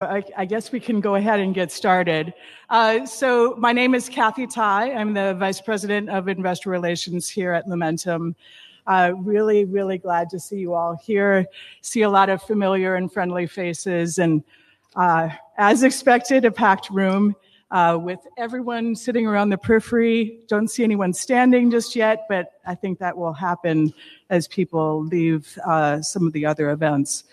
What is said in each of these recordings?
I guess we can go ahead and get started. My name is Kathryn Ta. I'm the Vice President of Investor Relations here at Lumentum. Really, really glad to see you all here. See a lot of familiar and friendly faces and, as expected, a packed room with everyone sitting around the periphery. Don't see anyone standing just yet, but I think that will happen as people leave some of the other events.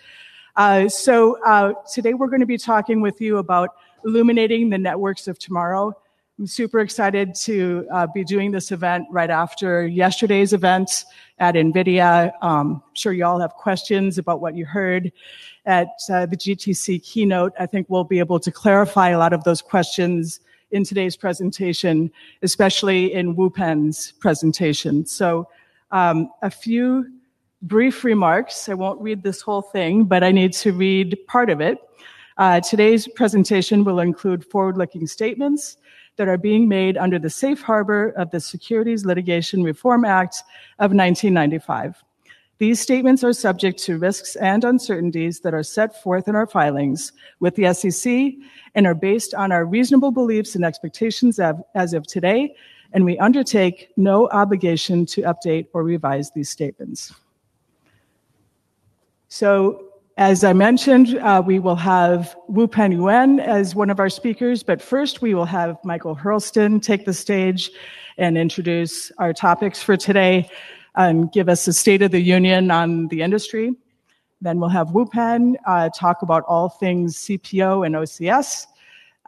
Today we're gonna be talking with you about illuminating the networks of tomorrow. I'm super excited to be doing this event right after yesterday's events at NVIDIA. I'm sure you all have questions about what you heard at the GTC keynote. I think we'll be able to clarify a lot of those questions in today's presentation, especially in Wupen Yuen's presentation. A few brief remarks. I won't read this whole thing, but I need to read part of it. Today's presentation will include forward-looking statements that are being made under the safe harbor of the Private Securities Litigation Reform Act of 1995. These statements are subject to risks and uncertainties that are set forth in our filings with the SEC and are based on our reasonable beliefs and expectations as of today, and we undertake no obligation to update or revise these statements. As I mentioned, we will have Wupen Yuen as one of our speakers. First, we will have Michael Hurlston take the stage and introduce our topics for today and give us a state of the union on the industry. We'll have Wupen talk about all things CPO and OCS.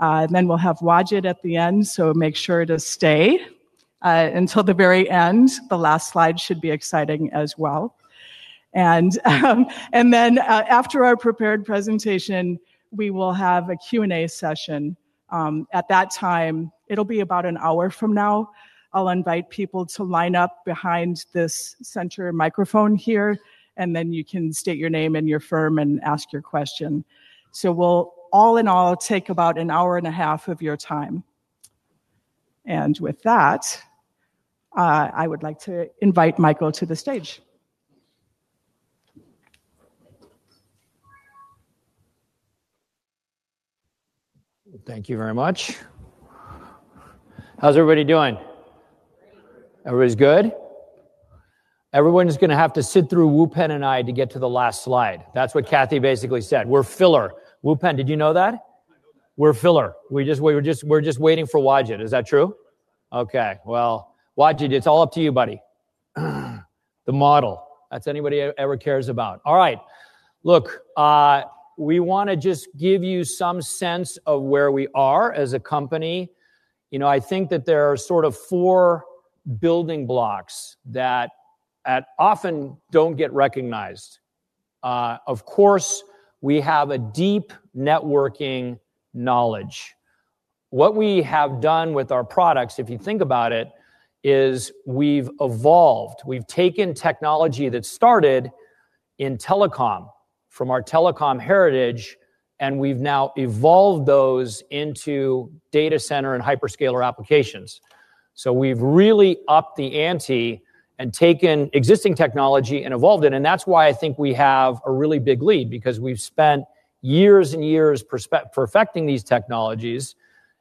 We'll have Wajid at the end, so make sure to stay until the very end. The last slide should be exciting as well. After our prepared presentation, we will have a Q&A session. At that time, it'll be about an hour from now. I'll invite people to line up behind this center microphone here, and then you can state your name and your firm and ask your question. We'll all in all take about an hour and a half of your time. With that, I would like to invite Michael to the stage. Thank you very much. How's everybody doing? Great. Everybody's good. Everyone's gonna have to sit through Wupen Yuen and I to get to the last slide. That's what Kathy basically said. We're filler. Wupen Yuen, did you know that? I know that. We're just waiting for Wajid. Is that true? Okay. Well, Wajid, it's all up to you, buddy. The model. That's anybody ever cares about. All right. Look, we wanna just give you some sense of where we are as a company. You know, I think that there are sort of four building blocks that often don't get recognized. Of course, we have a deep networking knowledge. What we have done with our products, if you think about it, is we've evolved. We've taken technology that started in telecom from our telecom heritage, and we've now evolved those into data center and hyperscaler applications. We've really upped the ante and taken existing technology and evolved it, and that's why I think we have a really big lead because we've spent years and years perfecting these technologies,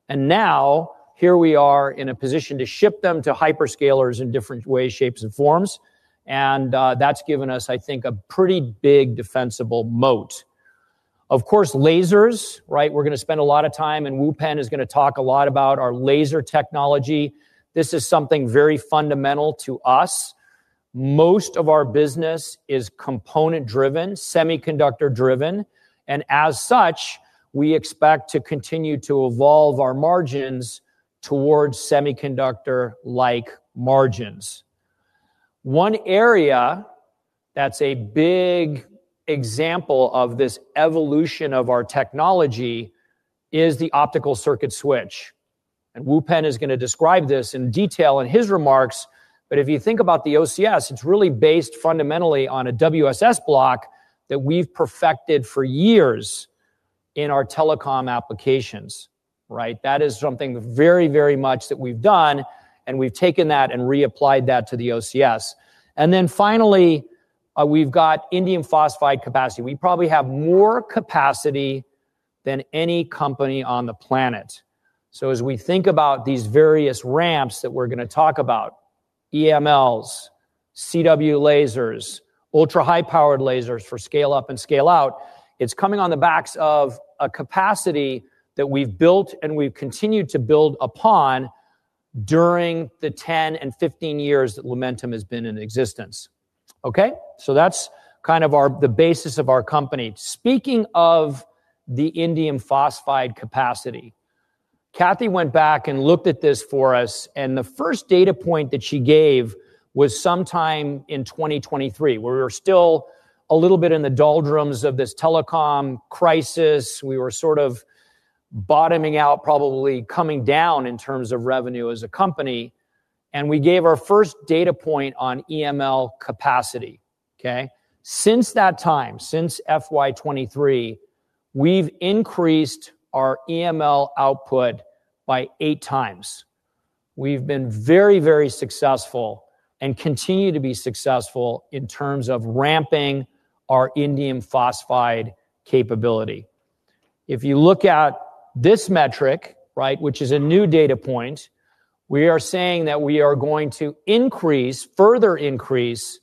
and now here we are in a position to ship them to hyperscalers in different ways, shapes, and forms, and that's given us, I think, a pretty big defensible moat. Of course, lasers, right? We're gonna spend a lot of time, and Wupen Yuen is gonna talk a lot about our laser technology. This is something very fundamental to us. Most of our business is component-driven, semiconductor-driven, and as such, we expect to continue to evolve our margins towards semiconductor-like margins. One area that's a big example of this evolution of our technology is the optical circuit switch. Wupen Yuen is gonna describe this in detail in his remarks, but if you think about the OCS, it's really based fundamentally on a WSS block that we've perfected for years in our telecom applications, right? That is something very, very much that we've done, and we've taken that and reapplied that to the OCS. Then finally, we've got indium phosphide capacity. We probably have more capacity than any company on the planet. As we think about these various ramps that we're gonna talk about, EMLs, CW lasers, ultra-high-powered lasers for scale up and scale out, it's coming on the backs of a capacity that we've built and we've continued to build upon during the 10 years and 15 years that Lumentum has been in existence. That's kind of our, the basis of our company. Speaking of the indium phosphide capacity, Kathryn went back and looked at this for us, and the first data point that she gave was sometime in 2023, where we were still a little bit in the doldrums of this telecom crisis. We were sort of bottoming out, probably coming down in terms of revenue as a company, and we gave our first data point on EML capacity, okay? Since that time, since FY 2023, we've increased our EML output by 8x. We've been very, very successful and continue to be successful in terms of ramping our indium phosphide capability. If you look at this metric right, which is a new data point, we are saying that we are going to increase, further increase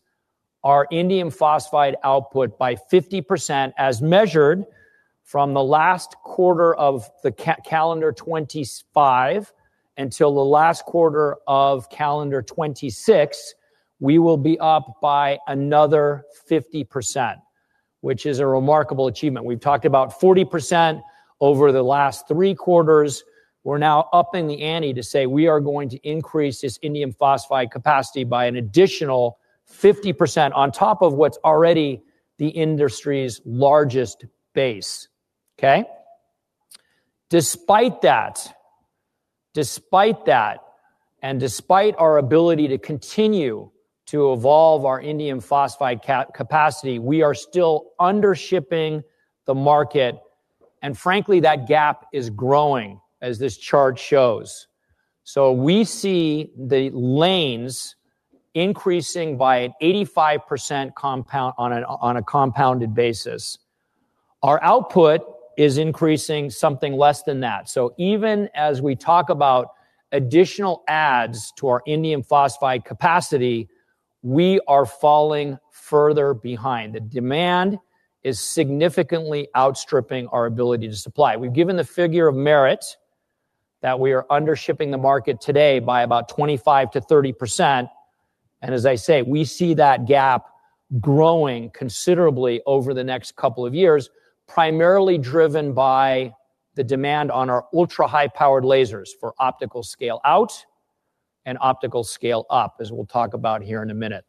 our indium phosphide output by 50% as measured from the last quarter of the calendar 2025 until the last quarter of calendar 2026, we will be up by another 50%, which is a remarkable achievement. We've talked about 40% over the last three quarters. We're now upping the ante to say we are going to increase this indium phosphide capacity by an additional 50% on top of what's already the industry's largest base. Okay? Despite that and despite our ability to continue to evolve our indium phosphide capacity, we are still under shipping the market and frankly, that gap is growing as this chart shows. We see the lanes increasing by an 85% compound on a compounded basis. Our output is increasing something less than that. Even as we talk about additional adds to our indium phosphide capacity, we are falling further behind. The demand is significantly outstripping our ability to supply. We've given the figure of merit that we are under shipping the market today by about 25%-30%, and as I say, we see that gap growing considerably over the next couple of years, primarily driven by the demand on our ultra-high-powered lasers for optical scale out and optical scale up, as we'll talk about here in a minute.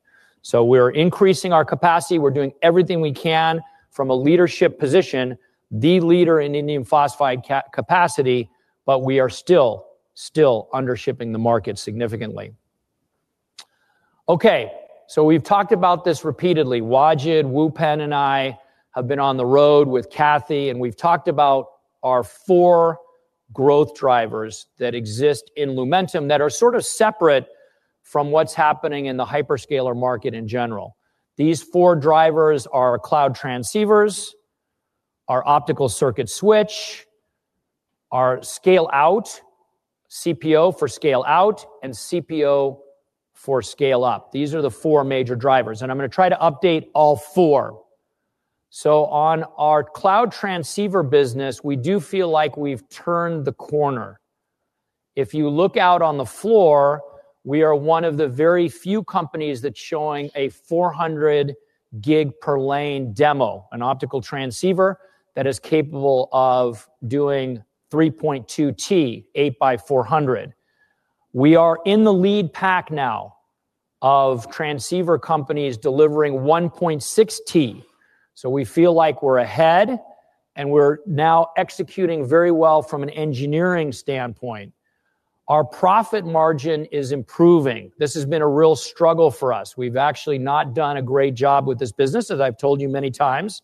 We're increasing our capacity. We're doing everything we can from a leadership position, the leader in indium phosphide capacity, but we are still under shipping the market significantly. Okay, we've talked about this repeatedly. Wajid, Wupen, and I have been on the road with Kathy, and we've talked about our four growth drivers that exist in Lumentum that are sort of separate from what's happening in the hyperscaler market in general. These four drivers are cloud transceivers, our optical circuit switch, our scale out CPO for scale out, and CPO for scale up. These are the four major drivers, and I'm gonna try to update all four. On our cloud transceiver business, we do feel like we've turned the corner. If you look out on the floor, we are one of the very few companies that's showing a 400 G per lane demo, an optical transceiver that is capable of doing 3.2 T, eight by 400. We are in the lead pack now of transceiver companies delivering 1.6 T. We feel like we're ahead, and we're now executing very well from an engineering standpoint. Our profit margin is improving. This has been a real struggle for us. We've actually not done a great job with this business, as I've told you many times,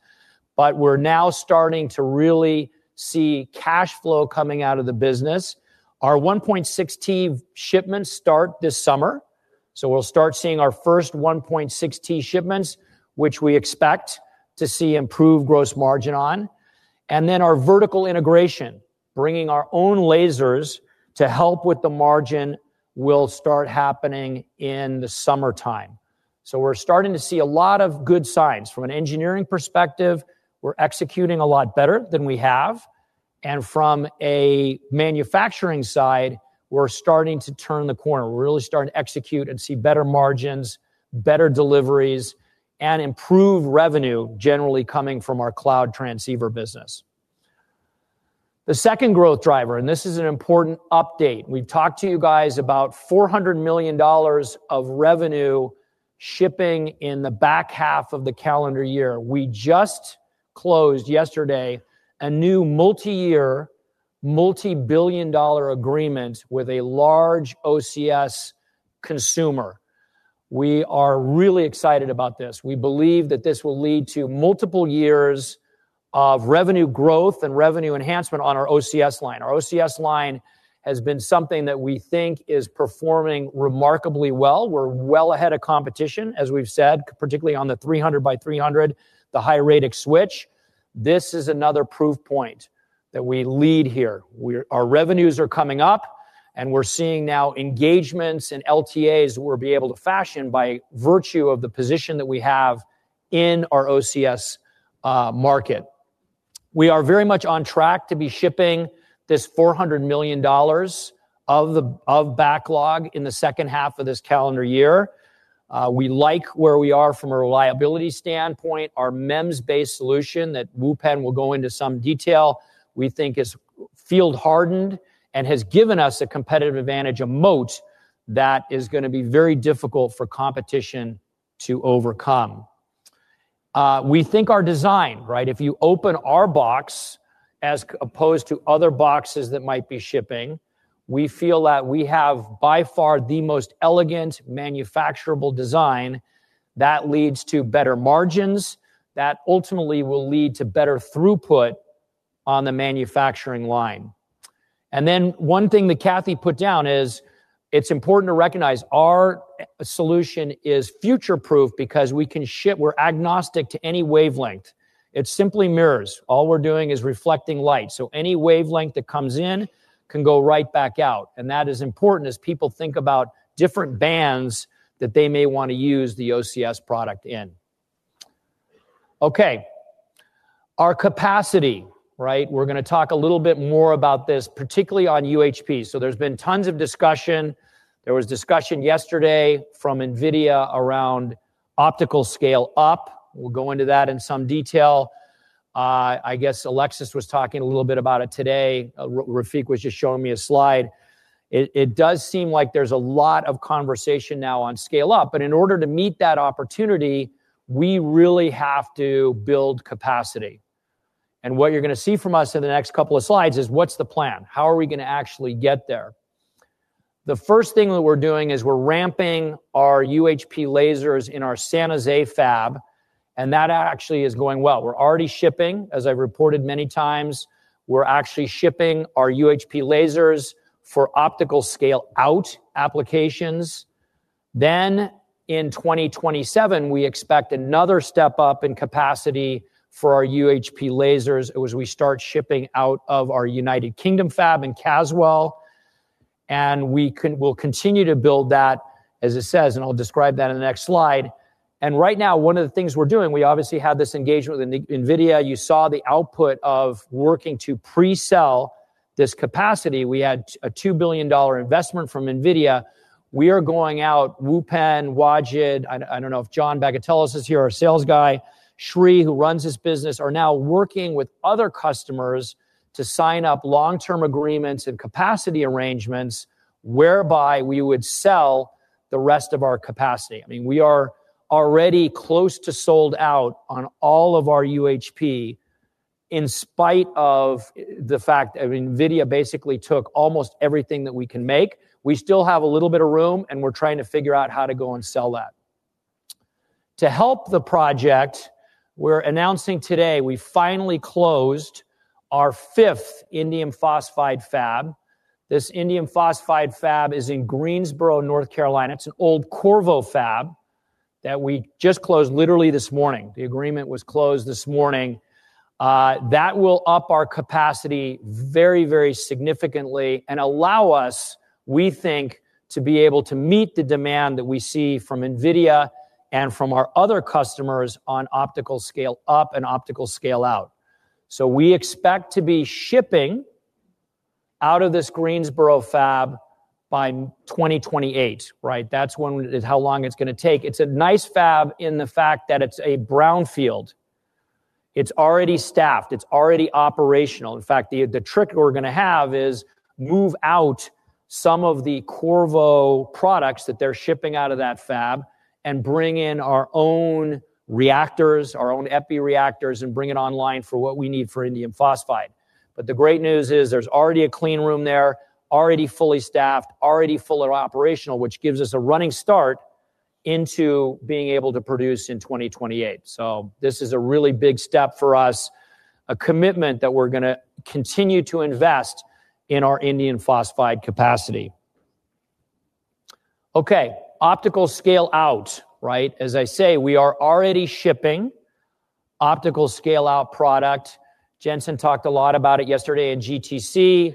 but we're now starting to really see cash flow coming out of the business. Our 1.6 T shipments start this summer, so we'll start seeing our first 1.6 T shipments, which we expect to see improved gross margin on. And then our vertical integration, bringing our own lasers to help with the margin will start happening in the summertime. We're starting to see a lot of good signs. From an engineering perspective, we're executing a lot better than we have, and from a manufacturing side, we're starting to turn the corner. We're really starting to execute and see better margins, better deliveries, and improved revenue generally coming from our cloud transceiver business. The second growth driver, this is an important update. We've talked to you guys about $400 million of revenue shipping in the back half of the calendar year. We just closed yesterday a new multi-year, multi-billion-dollar agreement with a large OCS consumer. We are really excited about this. We believe that this will lead to multiple years of revenue growth and revenue enhancement on our OCS line. Our OCS line has been something that we think is performing remarkably well. We're well ahead of competition, as we've said, particularly on the 300 by 300, the high radix switch. This is another proof point that we lead here. Our revenues are coming up, and we're seeing now engagements and LTAs we'll be able to fashion by virtue of the position that we have in our OCS market. We are very much on track to be shipping this $400 million of backlog in the H2 of this calendar year. We like where we are from a reliability standpoint. Our MEMS-based solution that Wupen Yuen will go into some detail we think is field hardened and has given us a competitive advantage, a moat, that is gonna be very difficult for competition to overcome. We think our design, right, if you open our box as opposed to other boxes that might be shipping, we feel that we have by far the most elegant manufacturable design that leads to better margins, that ultimately will lead to better throughput on the manufacturing line. One thing that Kathryn put down is it's important to recognize our solution is future-proof because we can ship. We're agnostic to any wavelength. It simply mirrors. All we're doing is reflecting light. Any wavelength that comes in can go right back out. That is important as people think about different bands that they may want to use the OCS product in. Okay, our capacity, right? We're going to talk a little bit more about this, particularly on UHP. There's been tons of discussion. There was discussion yesterday from NVIDIA around optical scale-up. We'll go into that in some detail. I guess Alexis was talking a little bit about it today. Rafiq was just showing me a slide. It does seem like there's a lot of conversation now on scale up, but in order to meet that opportunity, we really have to build capacity. What you're gonna see from us in the next couple of slides is what's the plan? How are we going to actually get there? The first thing that we're doing is we're ramping our UHP lasers in our San Jose fab, and that actually is going well. We're already shipping, as I've reported many times. We're actually shipping our UHP lasers for optical scale-out applications. In 2027, we expect another step up in capacity for our UHP lasers as we start shipping out of our United Kingdom fab in Caswell. We'll continue to build that, as it says, and I'll describe that in the next slide. Right now, one of the things we're doing, we obviously had this engagement with NVIDIA. You saw the output of working to pre-sell this capacity. We had a $2 billion investment from NVIDIA. We are going out, Wupen Yuen, Wajid Ali, I don't know if John Bagatelos is here, our sales guy, Sri, who runs this business, are now working with other customers to sign up long-term agreements and capacity arrangements whereby we would sell the rest of our capacity. I mean, we are already close to sold out on all of our UHP in spite of the fact that NVIDIA basically took almost everything that we can make. We still have a little bit of room, and we're trying to figure out how to go and sell that. To help the project, we're announcing today we finally closed our fifth indium phosphide fab. This indium phosphide fab is in Greensboro, North Carolina. It's an old Qorvo fab that we just closed literally this morning. The agreement was closed this morning. That will up our capacity very, very significantly and allow us, we think, to be able to meet the demand that we see from Nvidia and from our other customers on optical scale-up and optical scale-out. We expect to be shipping out of this Greensboro fab by 2028, right? That's how long it's going to take. It's a nice fab in the fact that it's a brownfield. It's already staffed, it's already operational. In fact, the trick we're going to have is move out some of the Qorvo products that they're shipping out of that fab and bring in our own reactors, our own EPI reactors, and bring it online for what we need for indium phosphide. The great news is there's already a clean room there, already fully staffed, already fully operational, which gives us a running start into being able to produce in 2028. This is a really big step for us, a commitment that we're gonna continue to invest in our indium phosphide capacity. Okay, optical scale-out, right? As I say, we are already shipping optical scale-out product. Jensen talked a lot about it yesterday at GTC.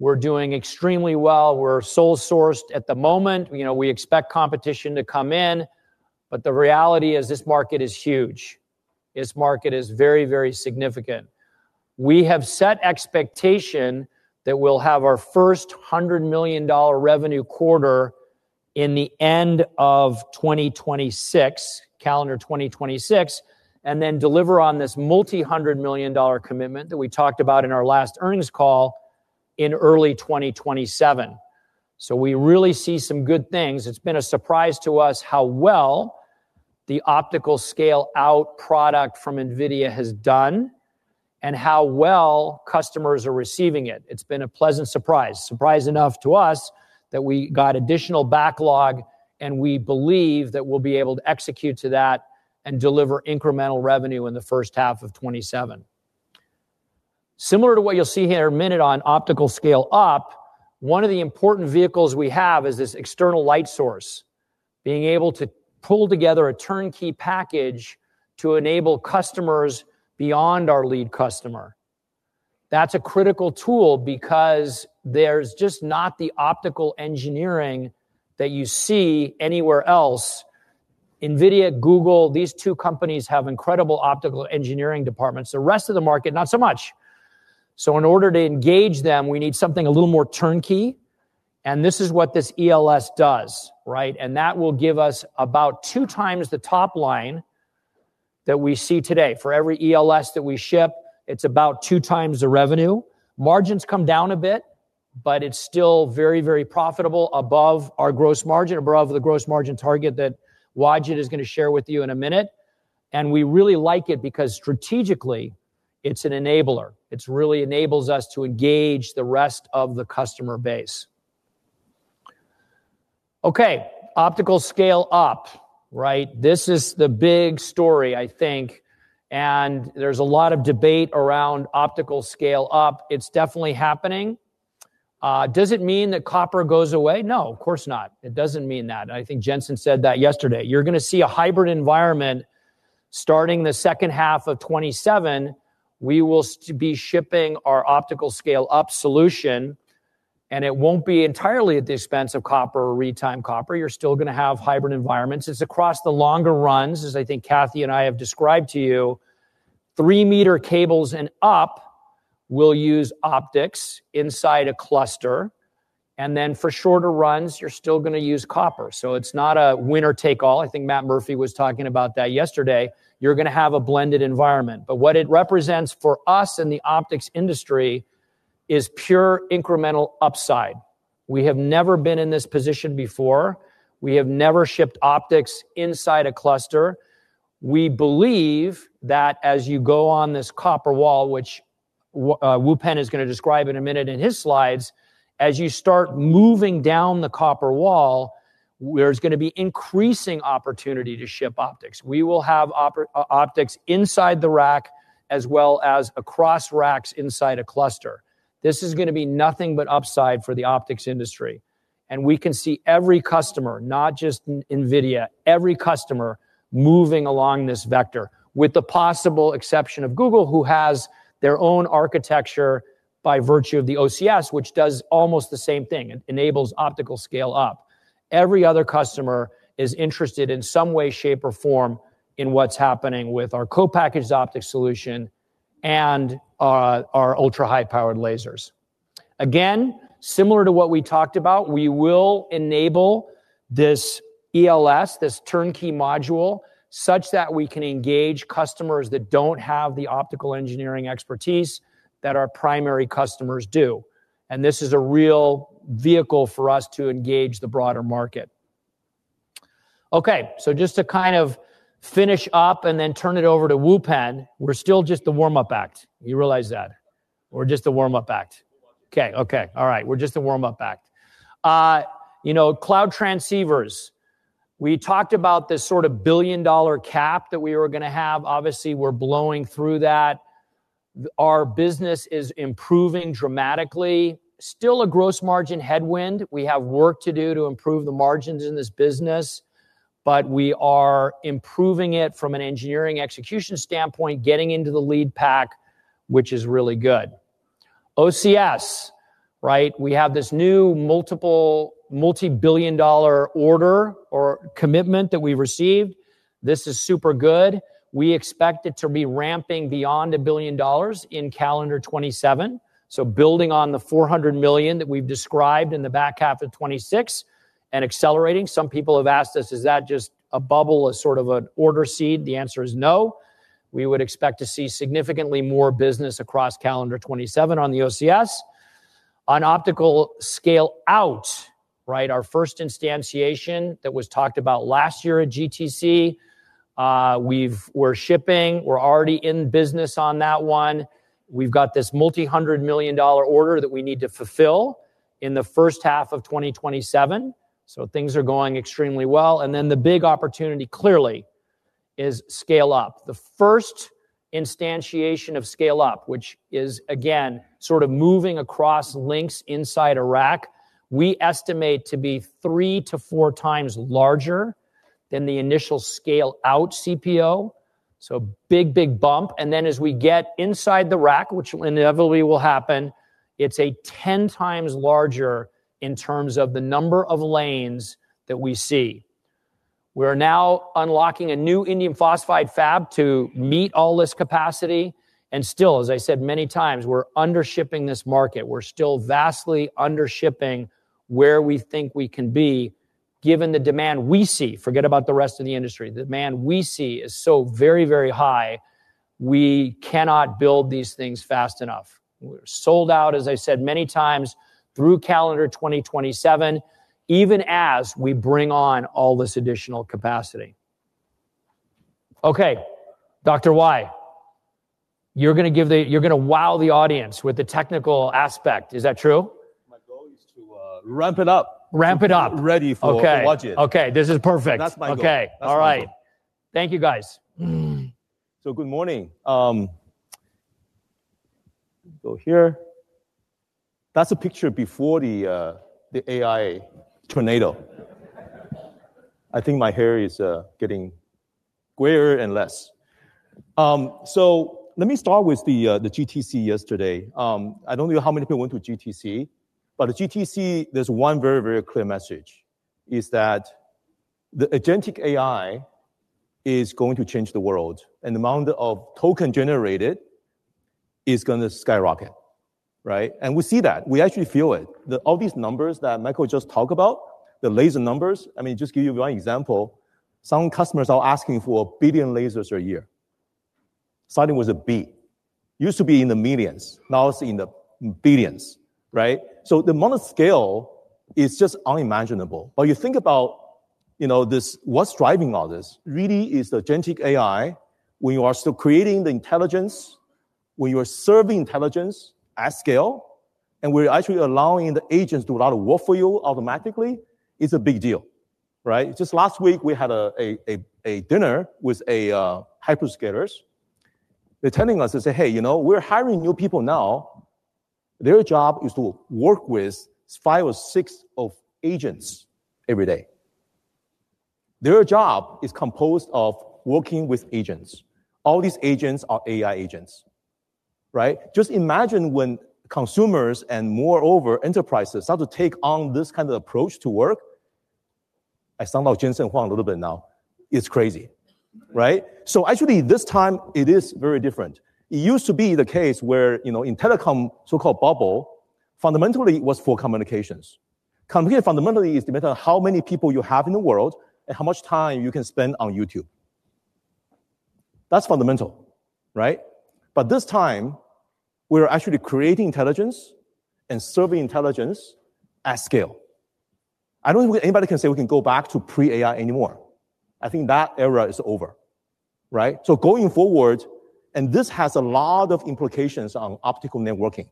We're doing extremely well. We're sole-sourced at the moment. You know, we expect competition to come in, but the reality is this market is huge. This market is very, very significant. We have set expectation that we'll have our first $100 million revenue quarter in the end of 2026, calendar 2026, and then deliver on this multi-hundred million dollar commitment that we talked about in our last earnings call in early 2027. We really see some good things. It's been a surprise to us how well the optical scale-out product from NVIDIA has done and how well customers are receiving it. It's been a pleasant surprise. Surprise enough to us that we got additional backlog, and we believe that we'll be able to execute to that and deliver incremental revenue in the first half of 2027. Similar to what you'll see here in a minute on optical scale-up, one of the important vehicles we have is this external light source. Being able to pull together a turnkey package to enable customers beyond our lead customer. That's a critical tool because there's just not the optical engineering that you see anywhere else. NVIDIA, Google, these two companies have incredible optical engineering departments. The rest of the market, not so much. In order to engage them, we need something a little more turnkey, and this is what this ELS does, right? That will give us about 2x the top line that we see today. For every ELS that we ship, it's about 2x the revenue. Margins come down a bit, but it's still very, very profitable, above our gross margin, above the gross margin target that Wajid is going to share with you in a minute. We really like it because strategically, it's an enabler. It really enables us to engage the rest of the customer base. Okay. Optical scale up, right? This is the big story, I think, and there's a lot of debate around optical scale up. It's definitely happening. Does it mean that copper goes away? No, of course not. It doesn't mean that. I think Jensen said that yesterday. You're gonna see a hybrid environment starting the H2 of 2027. We will be shipping our optical scale up solution, and it won't be entirely at the expense of copper or retime copper. You're still gonna have hybrid environments. It's across the longer runs, as I think Kathryn and I have described to you, three-meter cables and up will use optics inside a cluster, and then for shorter runs, you're still gonna use copper. It's not a winner-take-all. I think Matt Murphy was talking about that yesterday. You're gonna have a blended environment, but what it represents for us in the optics industry is pure incremental upside. We have never been in this position before. We have never shipped optics inside a cluster. We believe that as you go on this copper wall, which Wupen Yuen is gonna describe in a minute in his slides, as you start moving down the copper wall, there's gonna be increasing opportunity to ship optics. We will have optics inside the rack as well as across racks inside a cluster. This is gonna be nothing but upside for the optics industry, and we can see every customer, not just NVIDIA, every customer moving along this vector, with the possible exception of Google, who has their own architecture by virtue of the OCS, which does almost the same thing. It enables optical scale up. Every other customer is interested in some way, shape, or form in what's happening with our co-packaged optics solution and our ultra-high-power lasers. Again, similar to what we talked about, we will enable this ELS, this turnkey module, such that we can engage customers that don't have the optical engineering expertise that our primary customers do. This is a real vehicle for us to engage the broader market. Okay, so just to kind of finish up and then turn it over to Wupen Yuen, we're still just the warm-up act. You realize that? We're just the warm-up act. Warm-up act. Okay. All right. We're just the warm-up act. You know, cloud transceivers, we talked about this sort of $1 billion cap that we were gonna have. Obviously, we're blowing through that. Our business is improving dramatically. Still a gross margin headwind. We have work to do to improve the margins in this business, but we are improving it from an engineering execution standpoint, getting into the lead pack, which is really good. OCS, right? We have this new multi-billion-dollar order or commitment that we received. This is super good. We expect it to be ramping beyond $1 billion in calendar 2027. Building on the $400 million that we've described in the back 1/2 of 2026 and accelerating. Some people have asked us, "Is that just a bubble, a sort of an order seed?" The answer is no. We would expect to see significantly more business across calendar 2027 on the OCS. On optical scale out, right, our first instantiation that was talked about last year at GTC, we're shipping. We're already in business on that one. We've got this multi-hundred million-dollar order that we need to fulfill in the first half of 2027, so things are going extremely well. The big opportunity clearly is scale up. The first instantiation of scale up, which is again, sort of moving across links inside a rack, we estimate to be 3x-4x larger than the initial scale out CPO, so big, big bump. As we get inside the rack, which inevitably will happen, it's 10x larger in terms of the number of lanes that we see. We're now unlocking a new indium phosphide fab to meet all this capacity and still, as I said many times, we're under shipping this market. We're still vastly under shipping where we think we can be given the demand we see. Forget about the rest of the industry. The demand we see is so very, very high, we cannot build these things fast enough. We're sold out, as I said many times, through calendar 2027, even as we bring on all this additional capacity. Okay, Dr. Yuen, you're gonna wow the audience with the technical aspect. Is that true? My goal is to ramp it up. Ramp it up. Get ready for budget. Okay. This is perfect. That's my goal. Okay. All right. Thank you, guys. Good morning. That's a picture before the AI tornado. I think my hair is getting grayer and less. Let me start with the GTC yesterday. I don't know how many people went to GTC, but the GTC, there's one very, very clear message, is that the agentic AI is going to change the world, and the amount of token generated is gonna skyrocket, right? We see that. We actually feel it. All these numbers that Michael just talked about, the laser numbers, I mean, just give you one example, some customers are asking for 1 billion lasers a year. Starting with a B. Used to be in the millions, now it's in the billions, right? The amount of scale is just unimaginable. You think about, you know, this, what's driving all this really is agentic AI. We are still creating the intelligence. When you are serving intelligence at scale, and we're actually allowing the agents to do a lot of work for you automatically, it's a big deal, right? Just last week, we had a dinner with hyperscalers. They're telling us and say, "Hey, you know, we're hiring new people now. Their job is to work with five agents or six agents every day." Their job is composed of working with agents. All these agents are AI agents, right? Just imagine when consumers and moreover enterprises start to take on this kind of approach to work. I sound like Jensen Huang a little bit now. It's crazy, right? Actually this time it is very different. It used to be the case where, you know, in telecom, so-called bubble, fundamentally it was for communications. Compute fundamentally is determined on how many people you have in the world and how much time you can spend on YouTube. That's fundamental, right? This time, we're actually creating intelligence and serving intelligence at scale. I don't think anybody can say we can go back to pre-AI anymore. I think that era is over, right? Going forward, and this has a lot of implications on optical networking,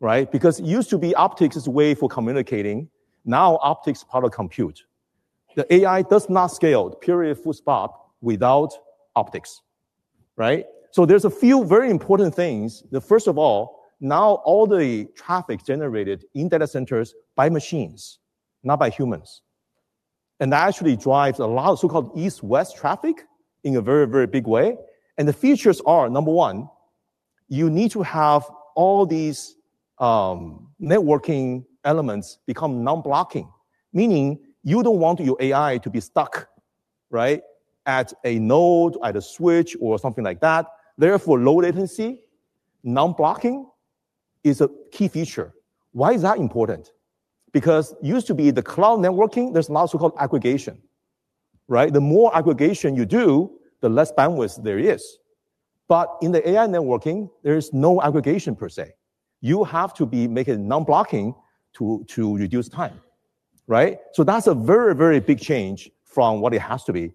right? Because it used to be optics is a way for communicating. Now optics is part of compute. The AI does not scale, period, full stop, without optics, right? So there's a few very important things. The first of all, now all the traffic generated in data centers by machines, not by humans. That actually drives a lot of so-called East-West traffic in a very, very big way. The features are, number one, you need to have all these networking elements become non-blocking. Meaning you don't want your AI to be stuck, right, at a node, at a switch or something like that. Therefore, low latency, non-blocking is a key feature. Why is that important? Because it used to be the cloud networking, there's now so-called aggregation, right? The more aggregation you do, the less bandwidth there is. But in the AI networking, there is no aggregation per se. You have to be making it non-blocking to reduce time, right? That's a very, very big change from what it has to be.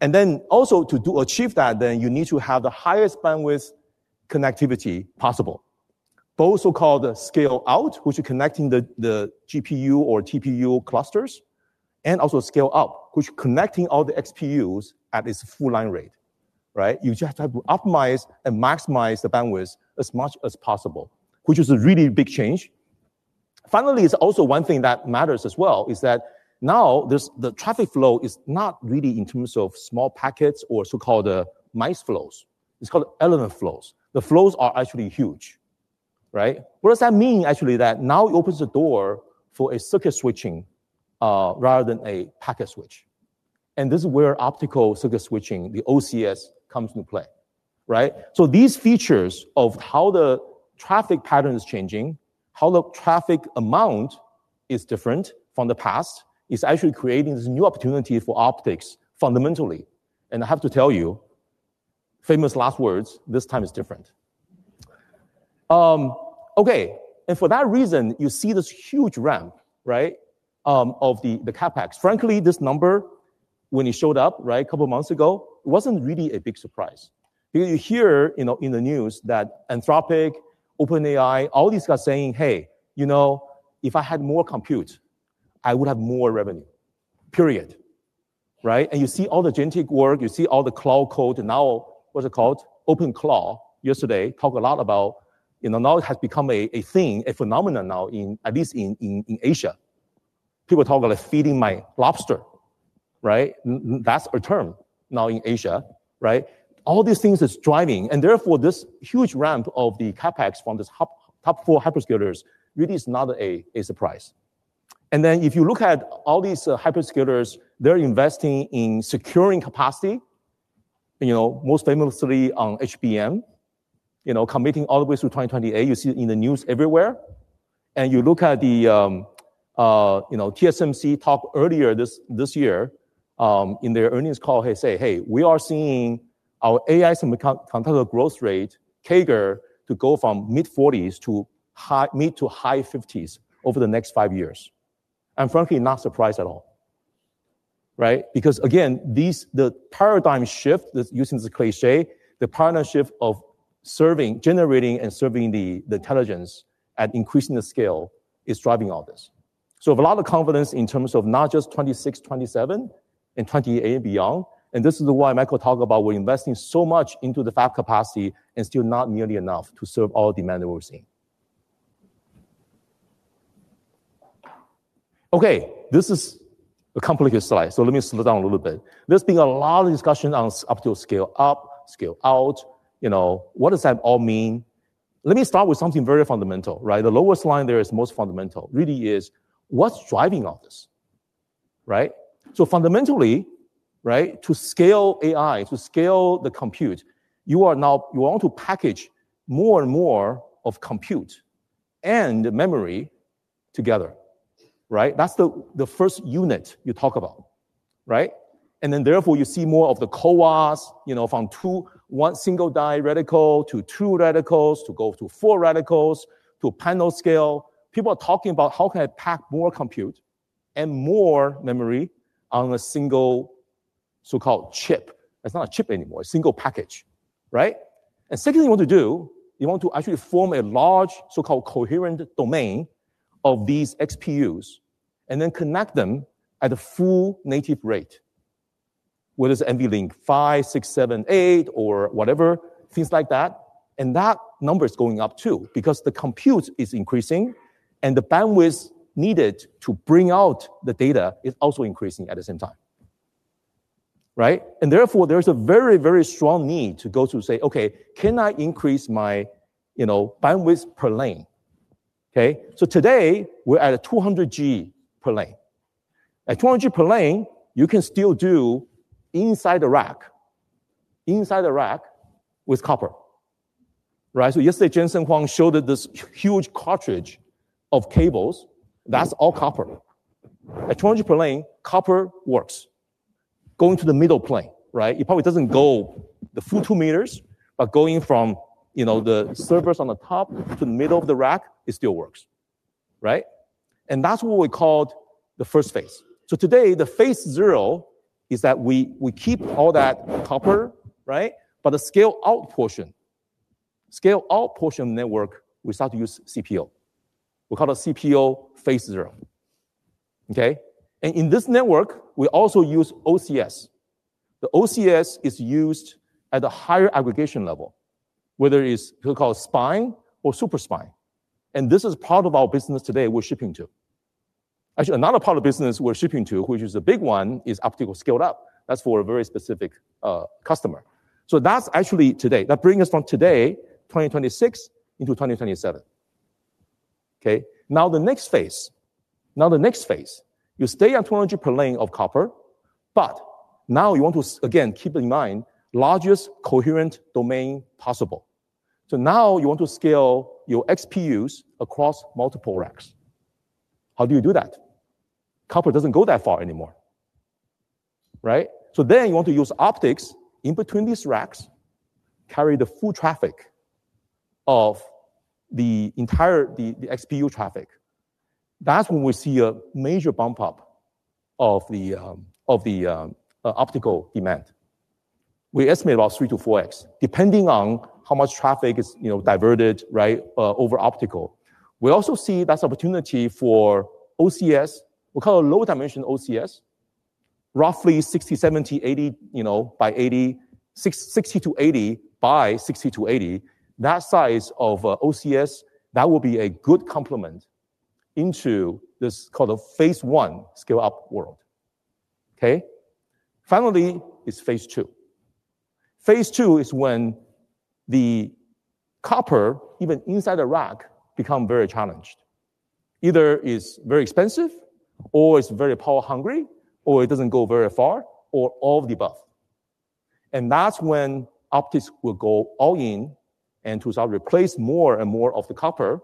Then also to do achieve that, then you need to have the highest bandwidth connectivity possible. Both so-called scale out, which is connecting the GPU or TPU clusters, and also scale up, which connecting all the XPUs at its full line rate, right? You just have to optimize and maximize the bandwidth as much as possible, which is a really big change. Finally, it's also one thing that matters as well is that now there's the traffic flow is not really in terms of small packets or so-called mice flows. It's called elephant flows. The flows are actually huge, right? What does that mean? Actually, that now it opens the door for a circuit switching rather than a packet switch. This is where optical circuit switching, the OCS, comes into play, right? These features of how the traffic pattern is changing, how the traffic amount is different from the past, is actually creating this new opportunity for optics fundamentally. I have to tell you, famous last words, this time is different. For that reason, you see this huge ramp, right, of the CapEx. Frankly, this number, when it showed up, right, a couple of months ago, it wasn't really a big surprise. Because you hear, you know, in the news that Anthropic, OpenAI, all these guys saying, "Hey, you know, if I had more compute, I would have more revenue." Period, right? You see all the agentic work, you see all the Claude Code. Now, what's it called? OpenAI yesterday talked a lot about, you know, now it has become a thing, a phenomenon now, at least in Asia. People talk about feeding my lobster, right? That's a term now in Asia, right? All these things it's driving. Therefore this huge ramp of the CapEx from this top four hyperscalers really is not a surprise. If you look at all these hyperscalers, they're investing in securing capacity. You know, most famously on HBM, you know, committing all the way through 2028. You see it in the news everywhere. You look at the TSMC talk earlier this year in their earnings call. They say, "Hey, we are seeing our AI semiconductor growth rate, CAGR, to go from mid-40s to mid-to-high 50s over the next five years." I'm frankly not surprised at all, right? Because again, the paradigm shift, using the cliché, the paradigm shift of serving, generating and serving the intelligence and increasing the scale is driving all this. I have a lot of confidence in terms of not just 2026, 2027, and 2028 and beyond. This is why Michael talked about we're investing so much into the fab capacity and still not nearly enough to serve all demand that we're seeing. Okay, this is a complicated slide, so let me slow down a little bit. There's been a lot of discussion on optical scale up, scale out. You know, what does that all mean? Let me start with something very fundamental, right? The lowest line there is most fundamental. Really is what's driving all this, right? Fundamentally, right, to scale AI, to scale the compute, you want to package more and more of compute and memory together, right? That's the first unit you talk about, right? Therefore, you see more of the CoWoS, you know, from two reticles, one single die reticle to two reticles, to four reticles, to panel scale. People are talking about how can I pack more compute and more memory on a single so-called chip. It's not a chip anymore, a single package, right? Secondly, you want to do, you want to actually form a large so-called coherent domain of these XPUs and then connect them at a full native rate, whether it's NVLink five, six, seven, eight or whatever, things like that. That number is going up too, because the compute is increasing and the bandwidth needed to bring out the data is also increasing at the same time, right? Therefore, there's a very, very strong need to go to say, okay, can I increase my, you know, bandwidth per lane? Okay? Today we're at 200 G per lane. At 200 G per lane, you can still do inside the rack with copper, right? Yesterday, Jensen Huang showed this huge cartridge of cables. That's all copper. At 200 G per lane, copper works. Going to the middle plane, right? It probably doesn't go the full two meters, but going from, you know, the servers on the top to the middle of the rack, it still works. Right? That's what we called the phase I. Today the phase zero is that we keep all that copper, right? But the scale out portion network, we start to use CPO. We call it CPO phase zero. Okay? In this network we also use OCS. The OCS is used at a higher aggregation level, whether it's so-called spine or super spine. This is part of our business today we're shipping to. Actually another part of the business we're shipping to, which is a big one, is optical scaled up. That's for a very specific customer. That's actually today. That brings us from today, 2026 into 2027. Okay. Now the next phase, you stay at 200 per lane of copper. Now you want to again, keep in mind largest coherent domain possible. Now you want to scale your XPUs across multiple racks. How do you do that? Copper doesn't go that far anymore, right? You want to use optics in between these racks. Carry the full traffic of the entire, the XPU traffic. That's when we see a major bump up of the optical demand. We estimate about 3x-4x, depending on how much traffic is, you know, diverted, right, over optical. We also see that's opportunity for OCS. We call it low dimension OCS, roughly 60, 70, 80, you know, by 80. 60-80 by 60-80. That size of OCS, that will be a good complement into this kind of phase one scale up world. Okay. Finally is phase II. Phase II is when the copper even inside the rack become very challenged. Either is very expensive or is very power hungry, or it doesn't go very far or all of the above. That's when optics will go all in and to start replace more and more of the copper.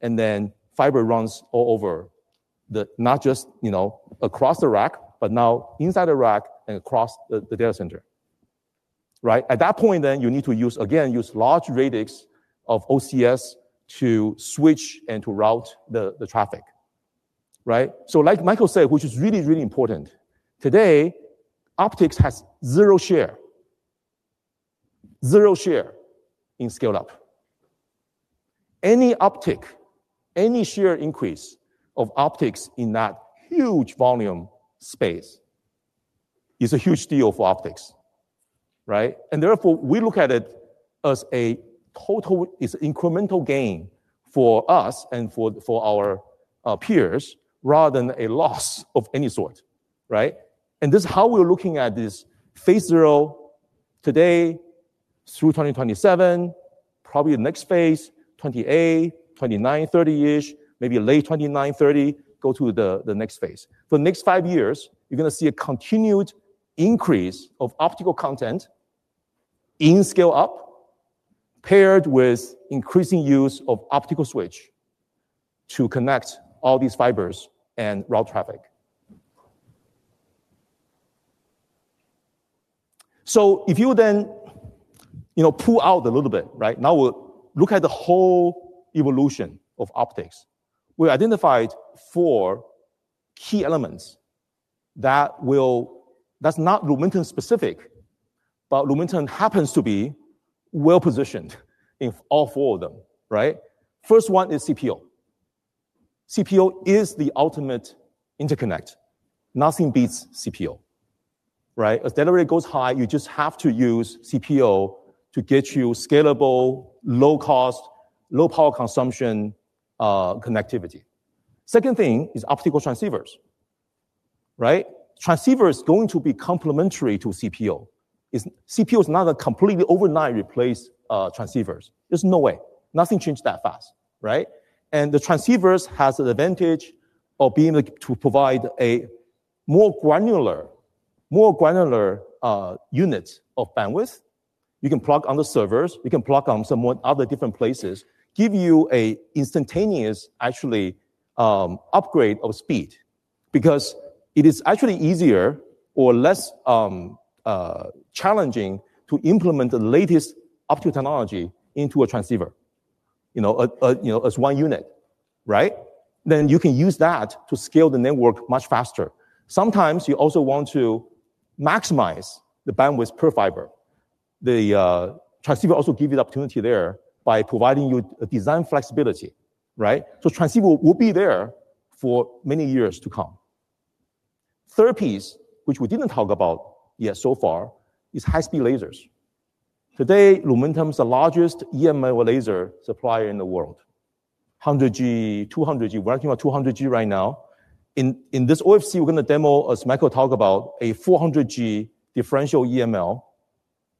Then fiber runs all over the, not just, you know, across the rack, but now inside the rack and across the data center. Right? At that point you need to use again large radix of OCS to switch and to route the traffic. Right? Like Michael said, which is really, really important, today optics has zero share. Zero share in scale up. Any uptick, any share increase of optics in that huge volume space is a huge deal for optics, right? Therefore we look at it as incremental gain for us and for our peers rather than a loss of any sort. Right? This is how we're looking at this phase zero today through 2027, probably the next phase, 2028, 2029, 2030-ish, maybe late 2029, 2030, go to the next phase. For the next five years, you're gonna see a continued increase of optical content in scale up, paired with increasing use of optical switch to connect all these fibers and route traffic. If you then, you know, pull out a little bit, right, now we'll look at the whole evolution of optics. We identified four key elements that's not Lumentum specific, but Lumentum happens to be well-positioned in all four of them, right? First one is CPO. CPO is the ultimate interconnect. Nothing beats CPO, right? As data rate goes high, you just have to use CPO to get you scalable, low cost, low power consumption, connectivity. Second thing is optical transceivers, right? Transceiver is going to be complementary to CPO. CPO is not a completely overnight replace, transceivers. There's no way. Nothing changed that fast, right? The transceivers has an advantage of being able to provide a more granular units of bandwidth. You can plug on the servers. You can plug on some other different places, give you a instantaneous actually upgrade of speed because it is actually easier or less challenging to implement the latest optical technology into a transceiver. You know, you know, as one unit, right? Then you can use that to scale the network much faster. Sometimes you also want to maximize the bandwidth per fiber. The transceiver also give you the opportunity there by providing you design flexibility, right? So transceiver will be there for many years to come. Third piece, which we didn't talk about yet so far, is high-speed lasers. Today, Lumentum is the largest EML laser supplier in the world. 100G, 200G. We're working on 200 G right now. In this OFC, we're gonna demo, as Michael talked about, a 400 G differential EML,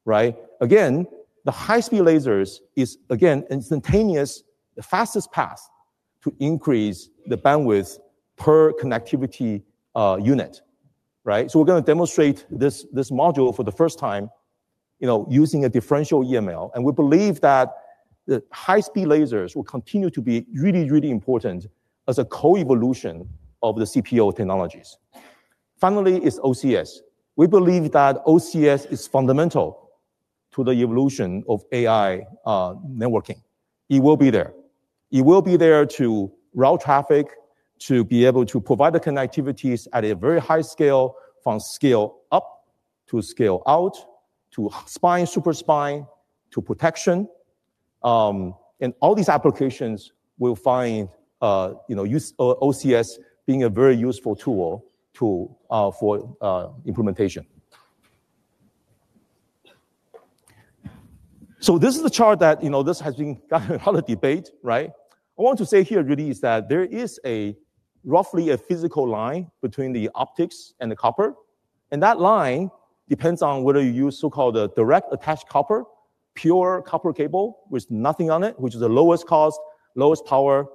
right? Again, the high-speed lasers is again instantaneous, the fastest path to increase the bandwidth per connectivity unit, right? We're gonna demonstrate this module for the first time, you know, using a differential EML. We believe that the high-speed lasers will continue to be really, really important as a co-evolution of the CPO technologies. Finally, is OCS. We believe that OCS is fundamental to the evolution of AI networking. It will be there. It will be there to route traffic, to be able to provide the connectivities at a very high scale, from scale up to scale out, to spine, super spine, to protection. All these applications will find, you know, use O-OCS being a very useful tool to, for, implementation. This is a chart that, you know, this has gotten a lot of debate, right? I want to say here really is that there is roughly a physical line between the optics and the copper. That line depends on whether you use so-called direct attached copper, pure copper cable with nothing on it, which is the lowest cost, lowest power.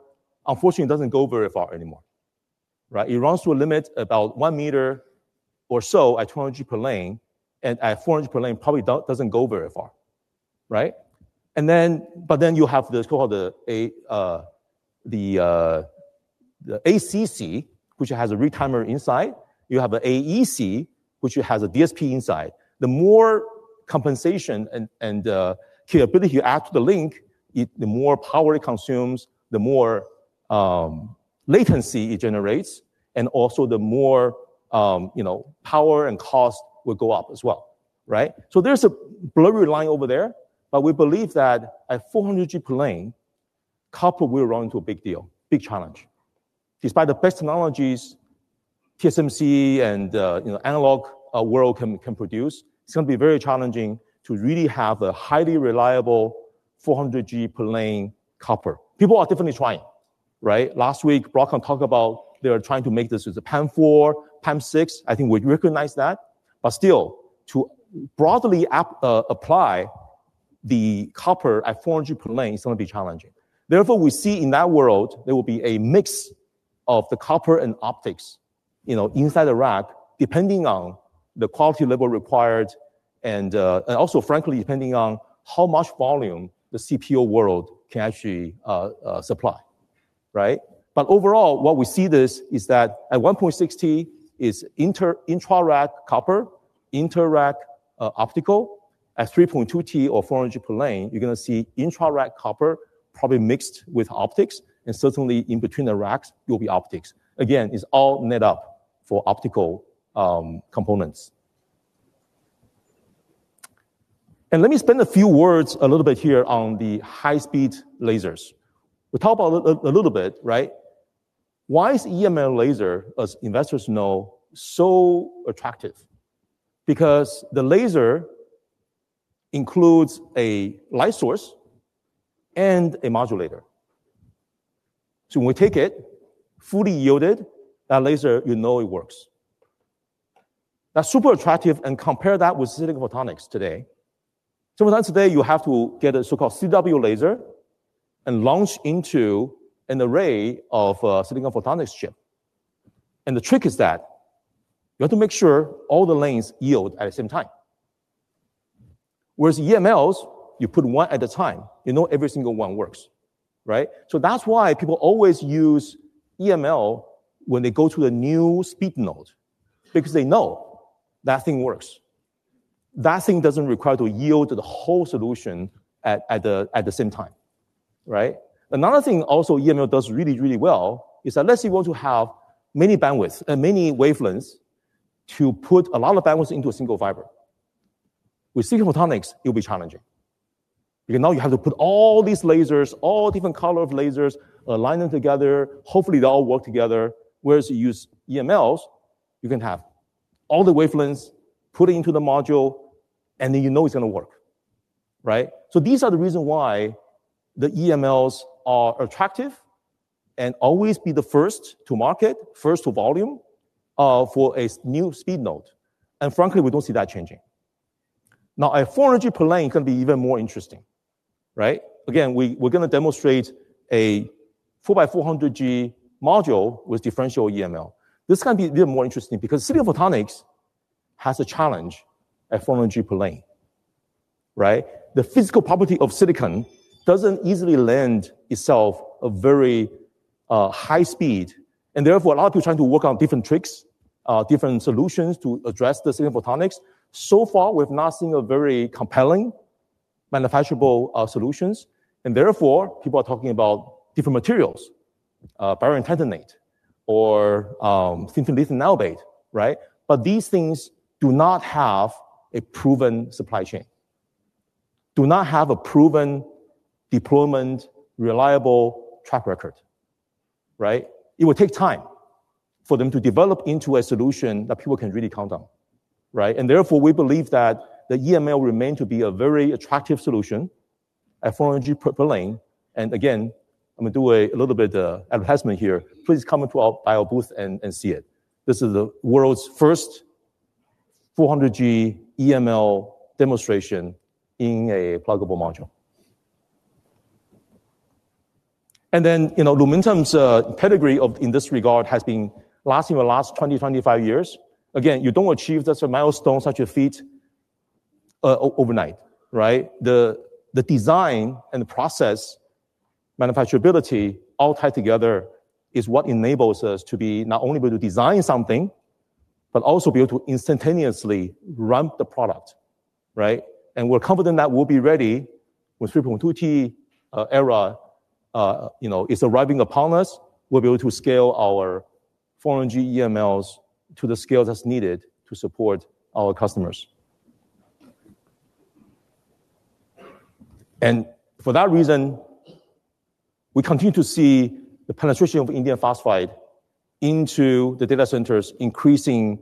Unfortunately, it doesn't go very far anymore, right? It runs to a limit about one meter or so at 200 G per lane, and at 400 G per lane, probably doesn't go very far. Right? You have this called the ACC, which has a retimer inside. You have an AEC, which has a DSP inside. The more compensation and capability you add to the link, the more power it consumes, the more latency it generates, and also the more power and cost will go up as well. Right? There's a blurry line over there, but we believe that at 400 G per lane, copper will run into a big deal, big challenge. Despite the best technologies TSMC and analog world can produce, it's gonna be very challenging to really have a highly reliable 400 G per lane copper. People are definitely trying, right? Last week, Broadcom talked about they are trying to make this as a PAM4, PAM6. I think we'd recognize that. But still, to broadly apply the copper at 400 G per lane, it's gonna be challenging. Therefore, we see in that world, there will be a mix of the copper and optics, you know, inside the rack, depending on the quality level required and also frankly, depending on how much volume the CPO world can actually supply. Right? Overall, what we see this is that at 1.6 T is intra-rack copper, inter-rack optical. At 3.2 T or 400 G per lane, you're gonna see intra-rack copper probably mixed with optics, and certainly in between the racks will be optics. Again, it's all net up for optical components. Let me spend a few words a little bit here on the high-speed lasers. We talk about a little bit, right? Why is EML laser, as investors know, so attractive? Because the laser includes a light source and a modulator. When we take it, fully yielded, that laser, you know it works. That's super attractive, and compare that with silicon photonics today. silicon photonics today, you have to get a so-called CW laser and launch into an array of, silicon photonics chip. The trick is that you have to make sure all the lanes yield at the same time. Whereas EMLs, you put one at a time. You know every single one works, right? That's why people always use EML when they go to a new speed node because they know that thing works. That thing doesn't require to yield the whole solution at the same time, right? Another thing also EML does really, really well is unless you want to have many bandwidths, many wavelengths to put a lot of bandwidths into a single fiber. With silicon photonics, it will be challenging. Because now you have to put all these lasers, all different color of lasers, align them together, hopefully they all work together. Whereas you use EMLs, you can have all the wavelengths put into the module, and then you know it's gonna work. Right? These are the reason why the EMLs are attractive and always be the first to market, first to volume, for a new speed node. Frankly, we don't see that changing. Now, at 400 G per lane can be even more interesting, right? Again, we're gonna demonstrate a four by 400 G module with differential EML. This can be a bit more interesting because silicon photonics has a challenge at 400 G per lane, right? The physical property of silicon doesn't easily lend itself to a very high speed. Therefore, a lot of people trying to work on different tricks, different solutions to address Silicon Photonics. So far, we've not seen a very compelling manufacturable solutions, and therefore, people are talking about different materials, barium titanate or, lithium niobate, right? But these things do not have a proven supply chain, do not have a proven deployment, reliable track record, right? It will take time for them to develop into a solution that people can really count on, right? Therefore, we believe that the EML remain to be a very attractive solution at 400 G per lane. Again, I'm gonna do a little bit advertisement here. Please come into our bio booth and see it. This is the world's first 400 G EML demonstration in a pluggable module. You know, Lumentum's pedigree in this regard has been lasting the last 25 years. Again, you don't achieve such a milestone, such a feat, overnight, right? The design and the process manufacturability all tied together is what enables us to be not only able to design something, but also be able to instantaneously ramp the product, right? We're confident that we'll be ready when 3.2 G era, you know, is arriving upon us. We'll be able to scale our 400 G EMLs to the scale that's needed to support our customers. For that reason, we continue to see the penetration of indium phosphide into the data centers increasing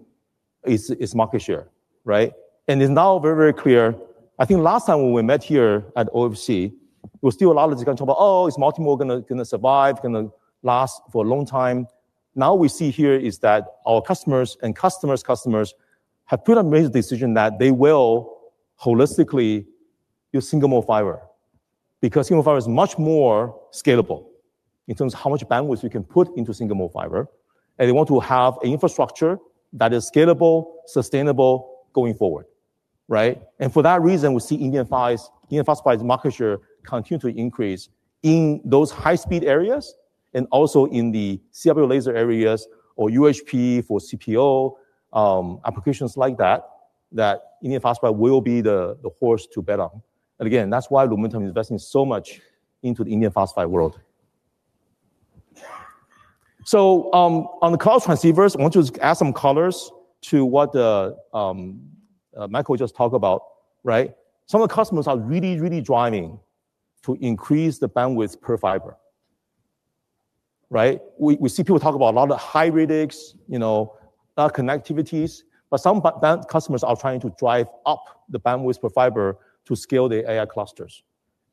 its market share, right? It's now very, very clear. I think last time when we met here at OFC, there was still a lot of discussion about, oh, is multimode gonna survive, gonna last for a long time? Now what we see here is that our customers and customers' customers have put a major decision that they will holistically use single-mode fiber because single-mode fiber is much more scalable in terms of how much bandwidth we can put into single-mode fiber, and they want to have infrastructure that is scalable, sustainable going forward, right? For that reason, we see indium phosphide's market share continue to increase in those high-speed areas and also in the CW laser areas or UHP for CPO, applications like that indium phosphide will be the horse to bet on. Again, that's why Lumentum is investing so much into the indium phosphide world. On the CPO transceivers, I want to add some colors to what Michael just talked about, right? Some of the customers are really driving to increase the bandwidth per fiber, right? We see people talk about a lot of high-radix, you know, connectivities, but some band customers are trying to drive up the bandwidth per fiber to scale their AI clusters.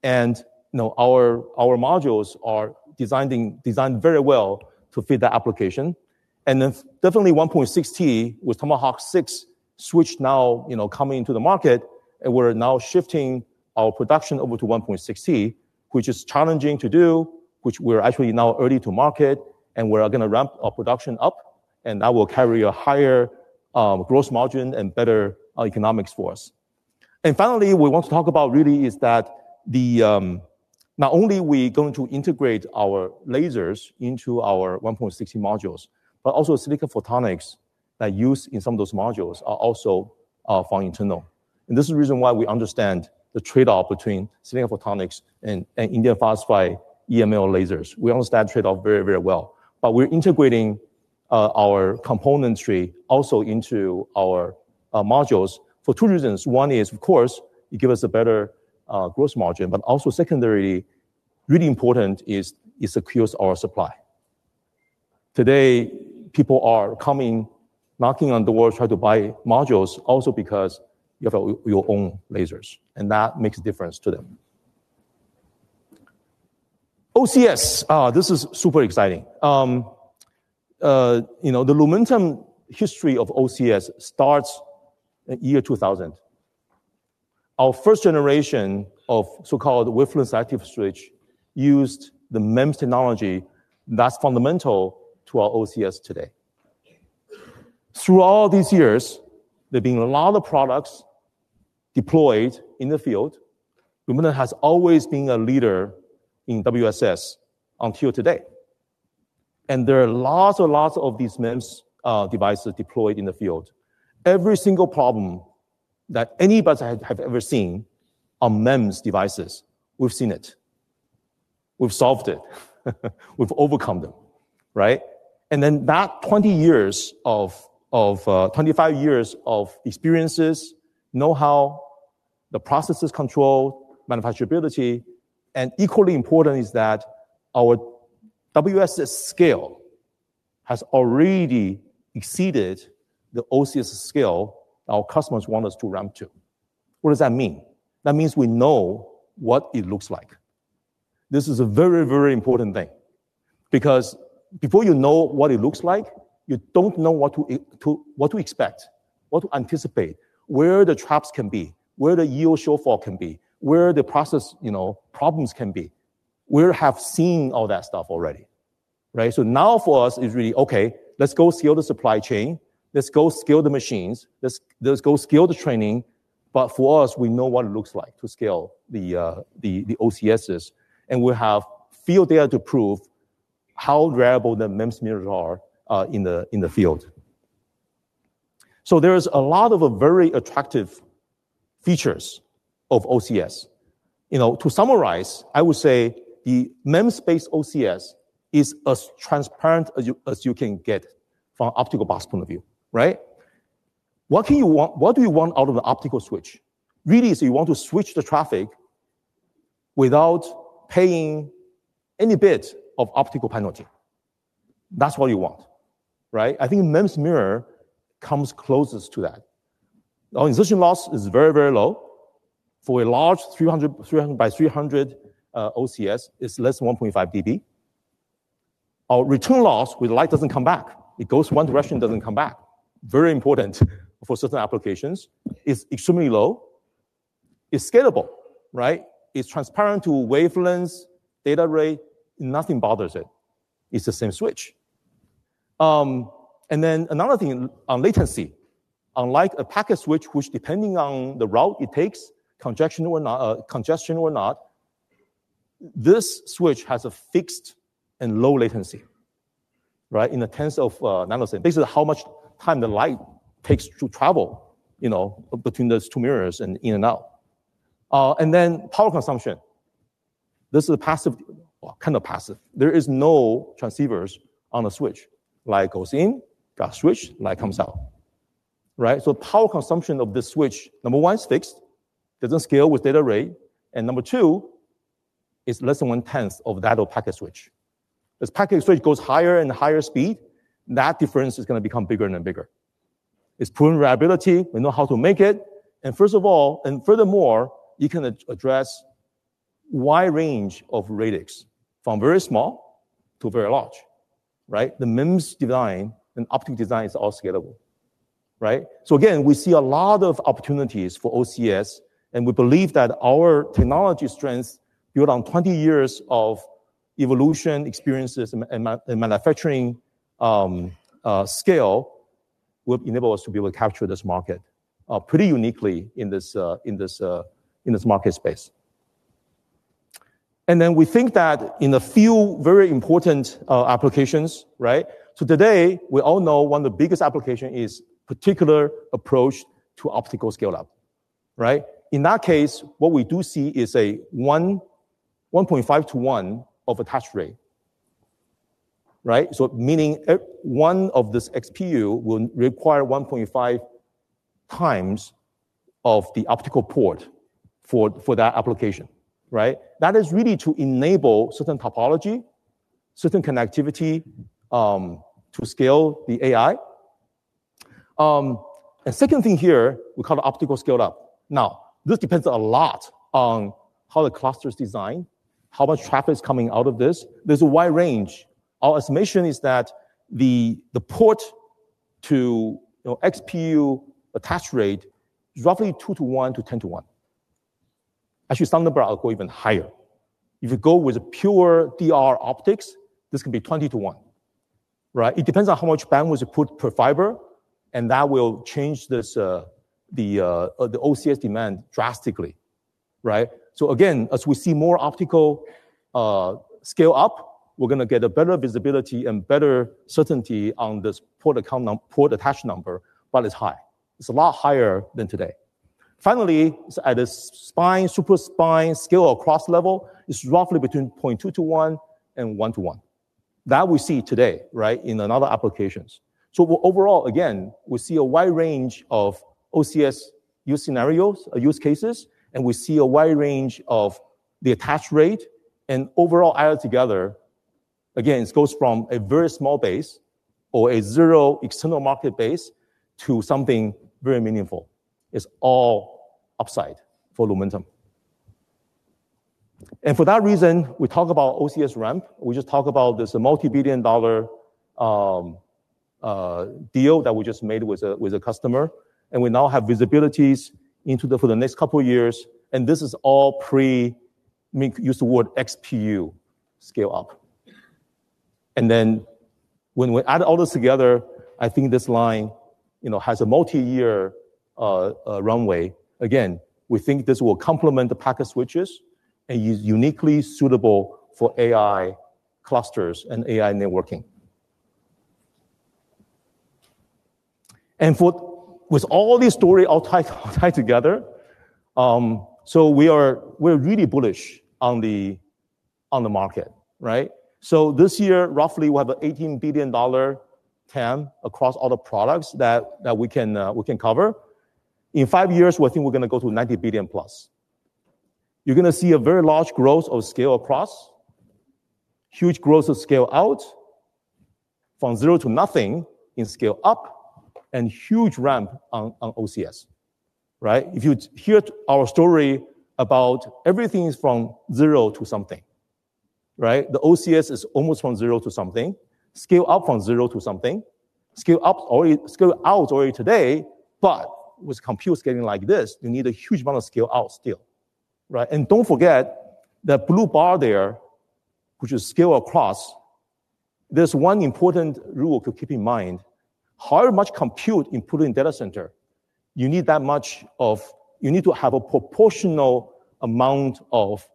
You know, our modules are designed very well to fit that application. Then definitely 1.6T with Tomahawk 6 switch now, you know, coming into the market, and we're now shifting our production over to 1.6T, which is challenging to do, which we're actually now early to market, and we are gonna ramp our production up, and that will carry a higher gross margin and better economics for us. Finally, what we really want to talk about is that not only are we going to integrate our lasers into our 1.6T modules, but also silicon photonics that we use in some of those modules are also for internal. This is the reason why we understand the trade-off between silicon photonics and indium phosphide EML lasers. We understand trade-off very, very well. We're integrating our componentry also into our modules for two reasons. One is, of course, it give us a better gross margin. Also secondary, really important is it secures our supply. Today, people are coming, knocking on the door trying to buy modules also because you have your own lasers, and that makes a difference to them. OCS, this is super exciting. You know, the Lumentum history of OCS starts in year 2000. Our first generation of so-called wavelength active switch used the MEMS technology that's fundamental to our OCS today. Through all these years, there have been a lot of products deployed in the field. Lumentum has always been a leader in WSS until today. There are lots and lots of these MEMS devices deployed in the field. Every single problem that anybody has ever seen on MEMS devices, we've seen it. We've solved it. We've overcome them, right? That 25 years of experiences, know-how, the processes controlled, manufacturability, and equally important is that our WSS scale has already exceeded the OCS scale our customers want us to ramp to. What does that mean? That means we know what it looks like. This is a very, very important thing because before you know what it looks like, you don't know what to expect, what to anticipate, where the traps can be, where the yield shortfall can be, where the process, you know, problems can be. We have seen all that stuff already, right? Now for us it's really, okay, let's go scale the supply chain. Let's go scale the machines. Let's go scale the training. For us, we know what it looks like to scale the OCSs, and we have field data to prove how reliable the MEMS mirrors are in the field. There is a lot of very attractive features of OCS. You know, to summarize, I would say the MEMS-based OCS is as transparent as you can get from an optical box point of view, right? What do you want out of an optical switch? Really is you want to switch the traffic without paying any bit of optical penalty. That's what you want, right? I think MEMS mirror comes closest to that. Our insertion loss is very, very low. For a large 300 by 300 OCS, it's less than 1.5 dB. Our return loss, where the light doesn't come back, it goes one direction, it doesn't come back, very important for certain applications, is extremely low. It's scalable, right? It's transparent to wavelengths, data rate. Nothing bothers it. It's the same switch. Another thing, latency. Unlike a packet switch, which depending on the route it takes, congestion or not, this switch has a fixed and low latency, right? In the tens of nanoseconds. Basically, how much time the light takes to travel, you know, between those two mirrors and in and out. Power consumption. This is passive, well, kind of passive. There is no transceivers on the switch. Light goes in, got switched, light comes out, right? Power consumption of this switch, number one, it's fixed. It doesn't scale with data rate. Number two, it's less than one-tenth of that of packet switch. As packet switch goes higher and higher speed, that difference is gonna become bigger and bigger. It's proven reliability. We know how to make it. Furthermore, you can address wide range of radix from very small to very large, right? The MEMS design and optic design is all scalable, right? Again, we see a lot of opportunities for OCS, and we believe that our technology strengths built on 20 years of evolution, experiences, and manufacturing scale will enable us to be able to capture this market pretty uniquely in this market space. Then we think that in a few very important applications, right. Today, we all know one of the biggest application is particular approach to optical scale-up, right. In that case, what we do see is a 1.5-1 attach rate, right. Meaning one of these XPU will require 1.5x of the optical port for that application, right. That is really to enable certain topology, certain connectivity, to scale the AI. Second thing here, we call it optical scale-up. Now, this depends a lot on how the cluster is designed, how much traffic is coming out of this. There's a wide range. Our estimation is that the port to, you know, XPU attach rate is roughly 2-to-1 to 10-to-1. Actually, some numbers are going even higher. If you go with pure DR optics, this can be 20-to-1, right? It depends on how much bandwidth you put per fiber, and that will change the OCS demand drastically, right? So again, as we see more optical scale up, we're gonna get a better visibility and better certainty on this port attach number, but it's high. It's a lot higher than today. Finally, at a spine, super spine scale across level, it's roughly between 0.2-to-1 and 1-to-1. That we see today, right, in other applications. Overall, again, we see a wide range of OCS use scenarios, use cases, and we see a wide range of the attach rate and overall added together. Again, it goes from a very small base or a zero external market base to something very meaningful. It's all upside for Lumentum. For that reason, we talk about OCS ramp. We just talk about this multi-billion-dollar deal that we just made with a customer, and we now have visibility into the for the next couple years. This is all pre-XPU scale up. Then when we add all this together, I think this line, you know, has a multi-year runway. We think this will complement the packet switches and is uniquely suitable for AI clusters and AI networking. With all this story all tied together, we're really bullish on the market, right? This year, roughly we have $18 billion TAM across all the products that we can cover. In five years, we think we're gonna go to $90 billion+. You're gonna see a very large growth of scale across huge growth of scale out from zero to nothing in scale up and huge ramp on OCS, right? If you hear our story about everything is from zero to something, right? The OCS is almost from zero to something. Scale up from zero to something. Scale out already today, but with compute scaling like this, you need a huge amount of scale out still, right? Don't forget the blue bar there, which is scale across. There's one important rule to keep in mind. However much compute you put in data center, you need to have a proportional amount of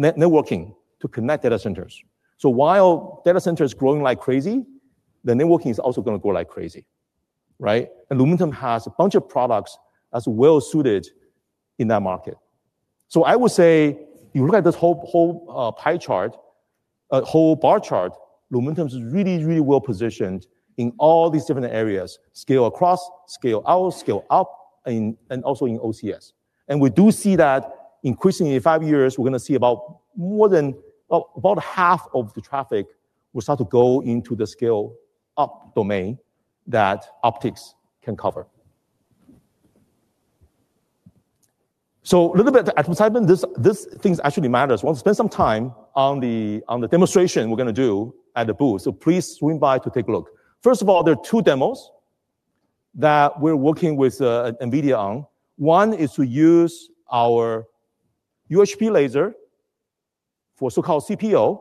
networking to connect data centers. While data center is growing like crazy, the networking is also gonna go like crazy, right? Lumentum has a bunch of products that's well-suited in that market. I would say you look at this whole pie chart, whole bar chart, Lumentum's really well-positioned in all these different areas, scale across, scale out, scale up, and also in OCS. We do see that increasingly in five years, we're gonna see about more than about 1/2 of the traffic will start to go into the scale up domain that optics can cover. A little bit advertisement. This thing actually matters. Want to spend some time on the demonstration we're gonna do at the booth. Please swing by to take a look. First of all, there are two demos that we're working with NVIDIA on. One is to use our UHP laser for so-called CPO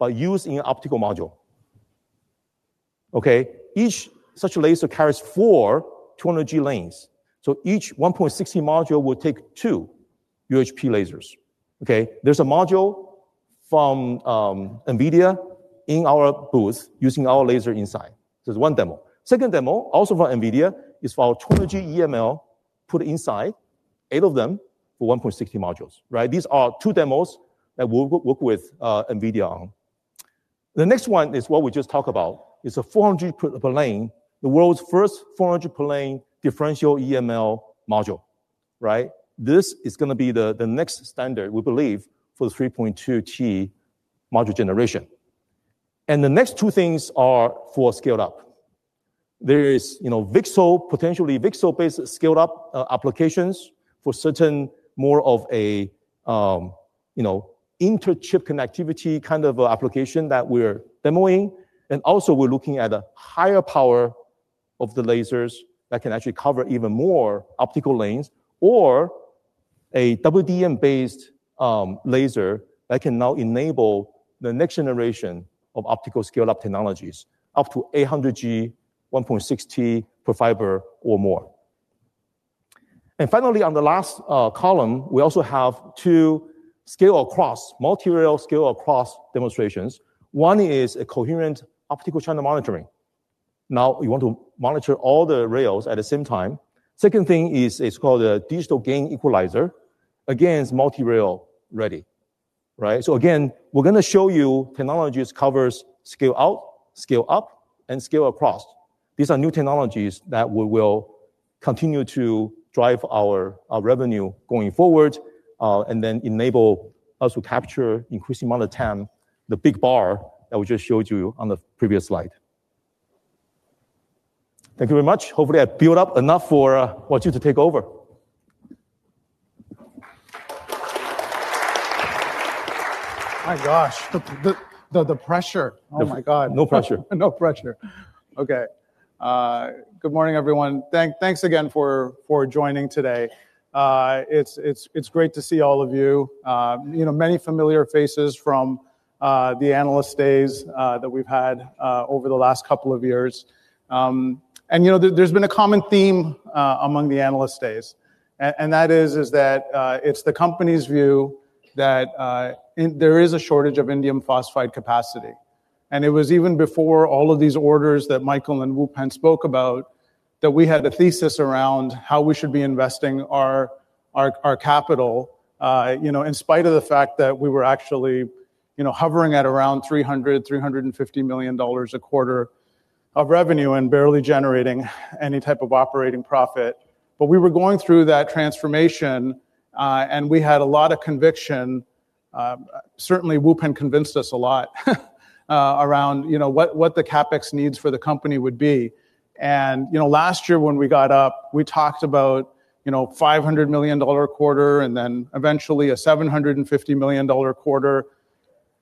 by using an optical module. Okay. Each such laser carries four 200 G lanes, so each 1.6 module will take two UHP lasers. Okay. There's a module from NVIDIA in our booth using our laser inside. There's one demo. Second demo, also from NVIDIA, is our 200G EML put inside eight of them for 1.6T modules, right? These are two demos that we'll work with NVIDIA on. The next one is what we just talked about. It's a 400 per lane, the world's first 400 per lane differential EML module, right? This is gonna be the next standard, we believe, for the 3.2T module generation. The next two things are for scaled up. There is, you know, VCSEL, potentially VCSEL-based scaled up applications for certain more of a, you know, interchip connectivity kind of application that we're demoing. We're looking at a higher power of the lasers that can actually cover even more optical lanes or a WDM-based laser that can now enable the next generation of optical scale-up technologies, up to 800 G, 1.60 per fiber or more. Finally, on the last column, we also have two scale across, multi-rail scale across demonstrations. One is a coherent optical channel monitoring. Now we want to monitor all the rails at the same time. Second thing is called a digital gain equalizer. Again, it's multi-rail ready, right? Again, we're gonna show you technologies covers scale out, scale up, and scale across. These are new technologies that we will continue to drive our revenue going forward, and then enable us to capture increasing amount of TAM, the big bar that we just showed you on the previous slide. Thank you very much. Hopefully, I've built up enough for Wajid to take over. My gosh, the pressure. Oh my God. No pressure. No pressure. Okay. Good morning, everyone. Thanks again for joining today. It's great to see all of you. You know, many familiar faces from the analyst days that we've had over the last couple of years. You know, there's been a common theme among the analyst days and that is it's the company's view that there is a shortage of indium phosphide capacity. It was even before all of these orders that Michael and Wupen spoke about that we had a thesis around how we should be investing our capital, you know, in spite of the fact that we were actually, you know, hovering at around $300 million-$350 million a quarter of revenue and barely generating any type of operating profit. We were going through that transformation, and we had a lot of conviction. Certainly Wupen Yuen convinced us a lot around you know what the CapEx needs for the company would be. You know last year when we got up we talked about you know $500 million a quarter and then eventually a $750 million quarter.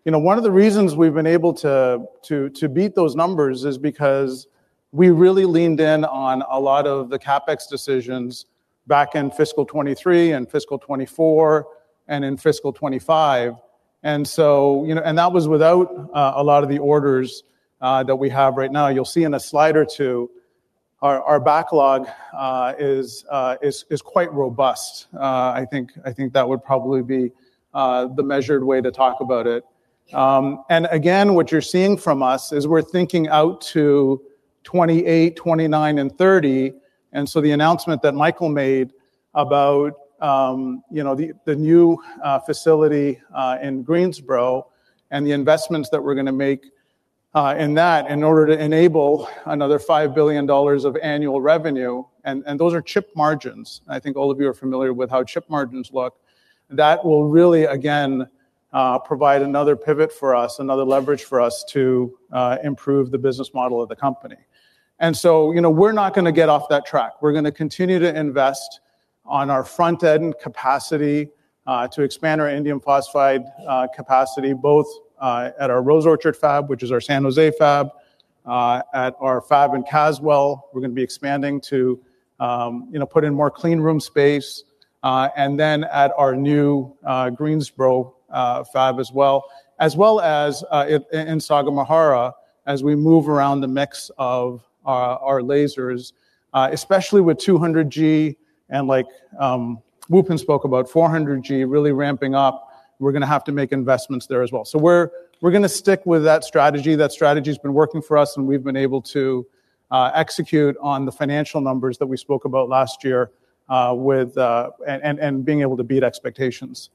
You know one of the reasons we've been able to to beat those numbers is because we really leaned in on a lot of the CapEx decisions back in fiscal 2023 and fiscal 2024 and in fiscal 2025. You know that was without a lot of the orders that we have right now. You'll see in a slide or two our backlog is quite robust. I think that would probably be the measured way to talk about it. Again, what you're seeing from us is we're thinking out to 2028, 2029 and 2030. The announcement that Michael made about, you know, the new facility in Greensboro and the investments that we're gonna make in that in order to enable another $5 billion of annual revenue. Those are chip margins. I think all of you are familiar with how chip margins look. That will really, again, provide another pivot for us, another leverage for us to improve the business model of the company. You know, we're not gonna get off that track. We're gonna continue to invest on our front-end capacity to expand our indium phosphide capacity, both at our Rose Orchard fab, which is our San Jose fab. At our fab in Caswell, we're gonna be expanding to, you know, put in more clean room space, and then at our new Greensboro fab as well. As well as in Sagamihara, as we move around the mix of our lasers, especially with 200 G and like Wupen Yuen spoke about 400 G really ramping up, we're gonna have to make investments there as well. We're gonna stick with that strategy. That strategy has been working for us, and we've been able to execute on the financial numbers that we spoke about last year, being able to beat expectations.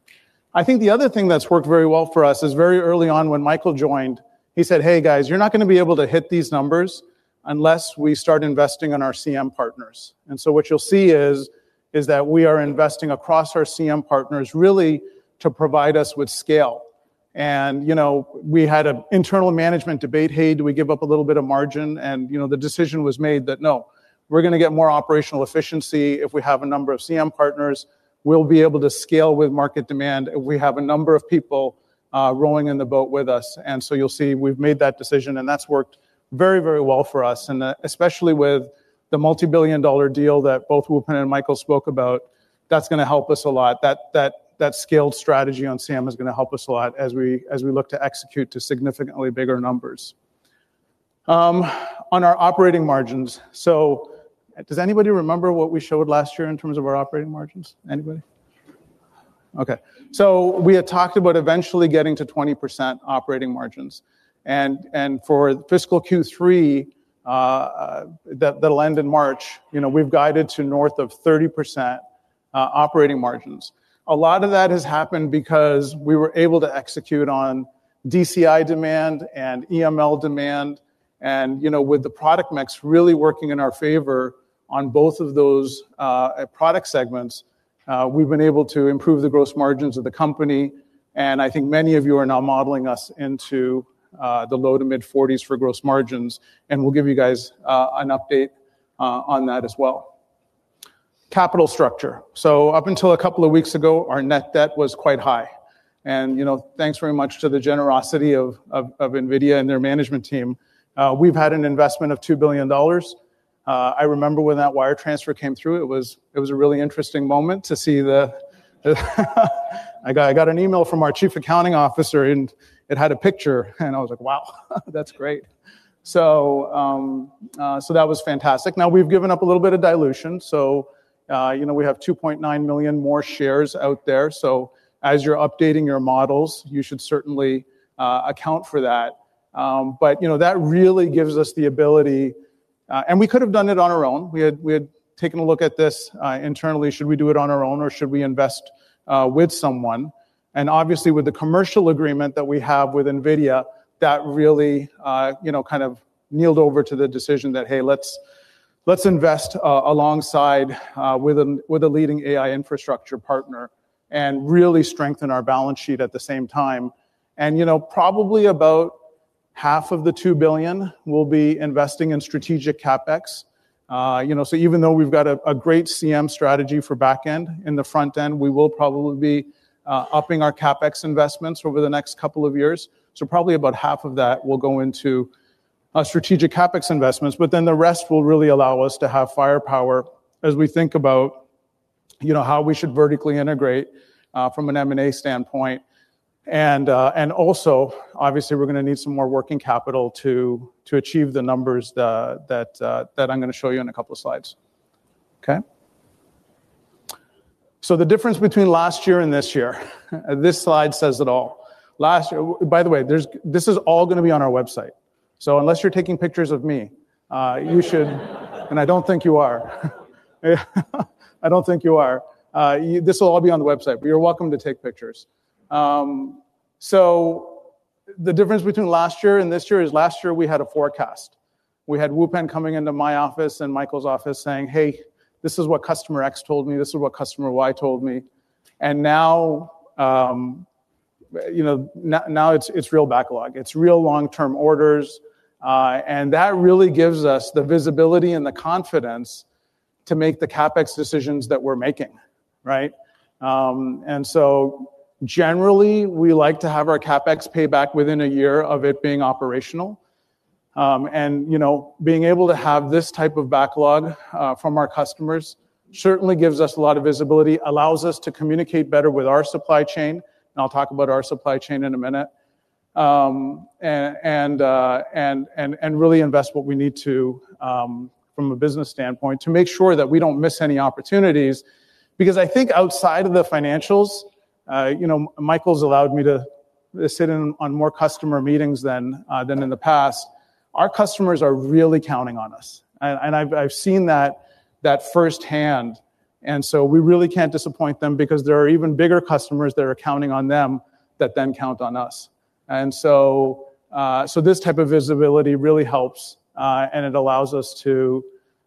I think the other thing that's worked very well for us is very early on when Michael joined, he said, "Hey guys, you're not gonna be able to hit these numbers unless we start investing in our CM partners." What you'll see is that we are investing across our CM partners really to provide us with scale. You know, we had an internal management debate, "Hey, do we give up a little bit of margin?" You know, the decision was made that no, we're gonna get more operational efficiency if we have a number of CM partners. We'll be able to scale with market demand. We have a number of people rowing in the boat with us. You'll see we've made that decision, and that's worked very, very well for us, and, especially with the multi-billion dollar deal that both Wupen and Michael spoke about, that's gonna help us a lot. That scaled strategy on CM is gonna help us a lot as we look to execute to significantly bigger numbers. On our operating margins. Does anybody remember what we showed last year in terms of our operating margins? Anybody? Okay. We had talked about eventually getting to 20% operating margins. For fiscal Q3, that'll end in March, you know, we've guided to north of 30% operating margins. A lot of that has happened because we were able to execute on DCI demand and EML demand and, you know, with the product mix really working in our favor on both of those product segments, we've been able to improve the gross margins of the company, and I think many of you are now modeling us into the low- to mid-40s% for gross margins, and we'll give you guys an update on that as well. Capital structure. Up until a couple of weeks ago, our net debt was quite high. You know, thanks very much to the generosity of NVIDIA and their management team, we've had an investment of $2 billion. I remember when that wire transfer came through. It was a really interesting moment. I got an email from our chief accounting officer, and it had a picture, and I was like, "Wow, that's great." That was fantastic. Now we've given up a little bit of dilution. You know, we have 2.9 million more shares out there. As you're updating your models, you should certainly account for that. You know, that really gives us the ability, and we could have done it on our own. We had taken a look at this internally. Should we do it on our own or should we invest with someone? Obviously, with the commercial agreement that we have with NVIDIA, that really kind of leaned over to the decision that, hey, let's invest alongside with a leading AI infrastructure partner and really strengthen our balance sheet at the same time. Probably about 1/2 of the $2 billion will be investing in strategic CapEx. Even though we've got a great CM strategy for back end, in the front end, we will probably be upping our CapEx investments over the next couple of years. Probably about 1/2 of that will go into strategic CapEx investments, but then the rest will really allow us to have firepower as we think about how we should vertically integrate from an M&A standpoint. Obviously, we're gonna need some more working capital to achieve the numbers that I'm gonna show you in a couple of slides. Okay? The difference between last year and this year, this slide says it all. Last year. By the way, this is all gonna be on our website. Unless you're taking pictures of me, you should. I don't think you are. This will all be on the website, but you're welcome to take pictures. The difference between last year and this year is last year we had a forecast. We had Wupen Yuen coming into my office and Michael's office saying, "Hey, this is what customer X told me. This is what customer Y told me." Now, you know, now it's real backlog. It's real long-term orders. That really gives us the visibility and the confidence to make the CapEx decisions that we're making, right? Generally, we like to have our CapEx pay back within a year of it being operational. You know, being able to have this type of backlog from our customers certainly gives us a lot of visibility, allows us to communicate better with our supply chain, and I'll talk about our supply chain in a minute. And really invest what we need to from a business standpoint to make sure that we don't miss any opportunities. Because I think outside of the financials, you know, Michael's allowed me to sit in on more customer meetings than in the past. Our customers are really counting on us, and I've seen that firsthand. We really can't disappoint them because there are even bigger customers that are counting on them that then count on us. This type of visibility really helps, and it allows us to,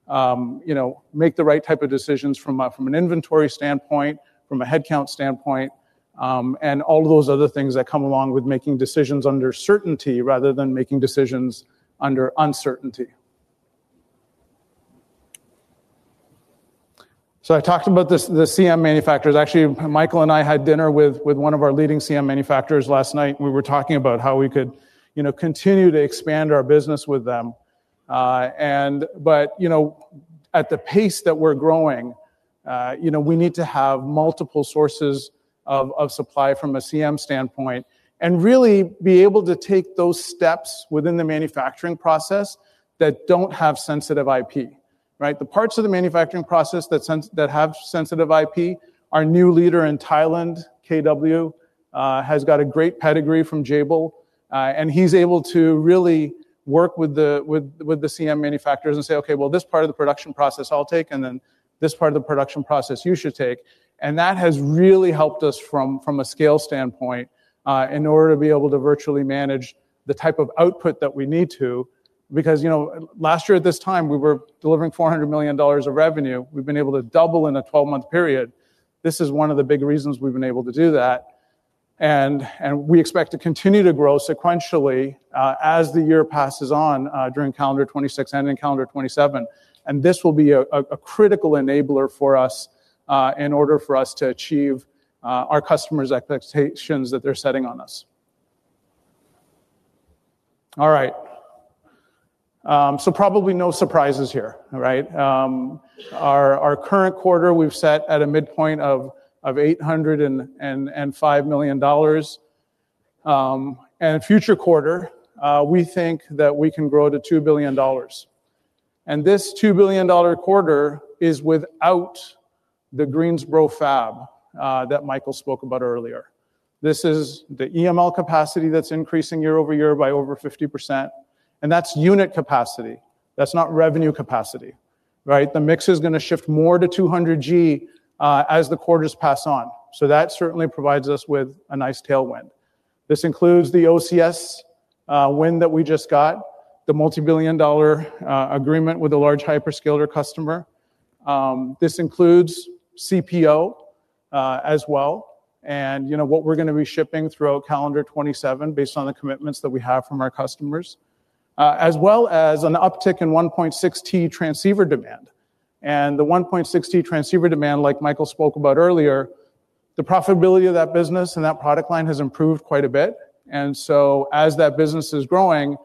you know, make the right type of decisions from an inventory standpoint, from a headcount standpoint, and all of those other things that come along with making decisions under certainty rather than making decisions under uncertainty. I talked about the CM manufacturers. Actually, Michael and I had dinner with one of our leading CM manufacturers last night, and we were talking about how we could, you know, continue to expand our business with them. You know, at the pace that we're growing, you know, we need to have multiple sources of supply from a CM standpoint and really be able to take those steps within the manufacturing process that don't have sensitive IP, right? The parts of the manufacturing process that have sensitive IP, our new leader in Thailand, KW, has got a great pedigree from Jabil, and he's able to really work with the CM manufacturers and say, "Okay, well, this part of the production process I'll take, and then this part of the production process you should take." And that has really helped us from a scale standpoint, in order to be able to virtually manage the type of output that we need to. Because, you know, last year at this time, we were delivering $400 million of revenue. We've been able to double in a 12-month period. This is one of the big reasons we've been able to do that. We expect to continue to grow sequentially as the year passes on during calendar 2026 and in calendar 2027. This will be a critical enabler for us, in order for us to achieve our customers' expectations that they're setting on us. All right. Probably no surprises here, all right? Our current quarter we've set at a midpoint of $805 million. Future quarter, we think that we can grow to $2 billion. This $2 billion quarter is without the Greensboro fab that Michael spoke about earlier. This is the EML capacity that's increasing year over year by over 50%, and that's unit capacity. That's not revenue capacity, right? The mix is going to shift more to 200 G as the quarters pass on. That certainly provides us with a nice tailwind. This includes the OCS win that we just got, the multi-billion dollar agreement with a large hyperscaler customer. This includes CPO as well, and you know what we're going to be shipping throughout calendar 2027 based on the commitments that we have from our customers, as well as an uptick in 1.6 T transceiver demand. The 1.6 T transceiver demand, like Michael spoke about earlier, the profitability of that business and that product line has improved quite a bit. As that business is growing,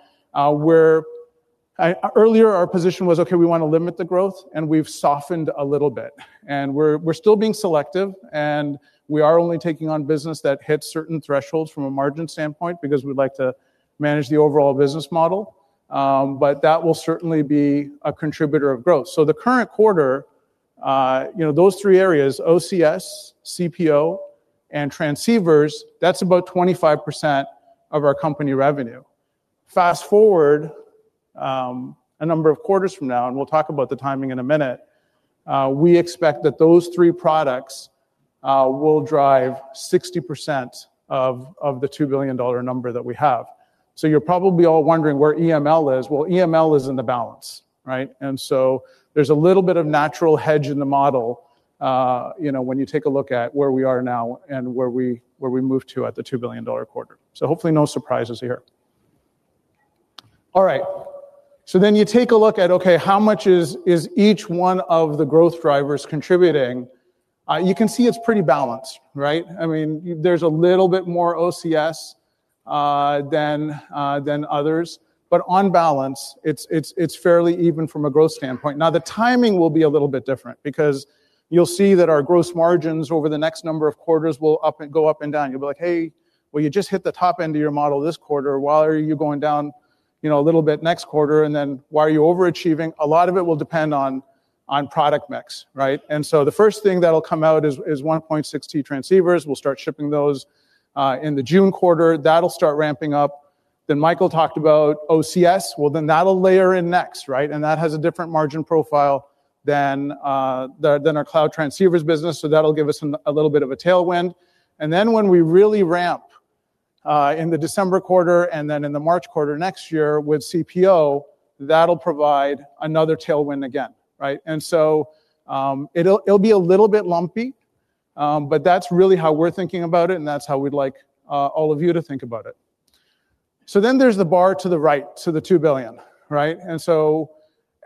earlier our position was, okay, we want to limit the growth, and we've softened a little bit. We're still being selective, and we are only taking on business that hits certain thresholds from a margin standpoint because we'd like to manage the overall business model, but that will certainly be a contributor of growth. The current quarter, those three areas, OCS, CPO, and transceivers, that's about 25% of our company revenue. Fast-forward a number of quarters from now, and we'll talk about the timing in a minute, we expect that those three products will drive 60% of the $2 billion number that we have. You're probably all wondering where EML is. Well, EML is in the balance, right? There's a little bit of natural hedge in the model, when you take a look at where we are now and where we move to at the $2 billion quarter. Hopefully no surprises here. All right. You take a look at, okay, how much is each one of the growth drivers contributing? You can see it's pretty balanced, right? I mean, there's a little bit more OCS than others, but on balance, it's fairly even from a growth standpoint. Now, the timing will be a little bit different because you'll see that our gross margins over the next number of quarters will go up and down. You'll be like, "Hey, well, you just hit the top end of your model this quarter. Why are you going down, you know, a little bit next quarter? And then why are you overachieving?" A lot of it will depend on product mix, right? The first thing that'll come out is 1.6 T transceivers. We'll start shipping those in the June quarter. That'll start ramping up. Then Michael talked about OCS. Well, that'll layer in next, right? That has a different margin profile than our cloud transceivers business. That'll give us a little bit of a tailwind. When we really ramp in the December quarter and then in the March quarter next year with CPO, that'll provide another tailwind again, right? It'll be a little bit lumpy, but that's really how we're thinking about it, and that's how we'd like all of you to think about it. There's the bar to the right, to the $2 billion, right?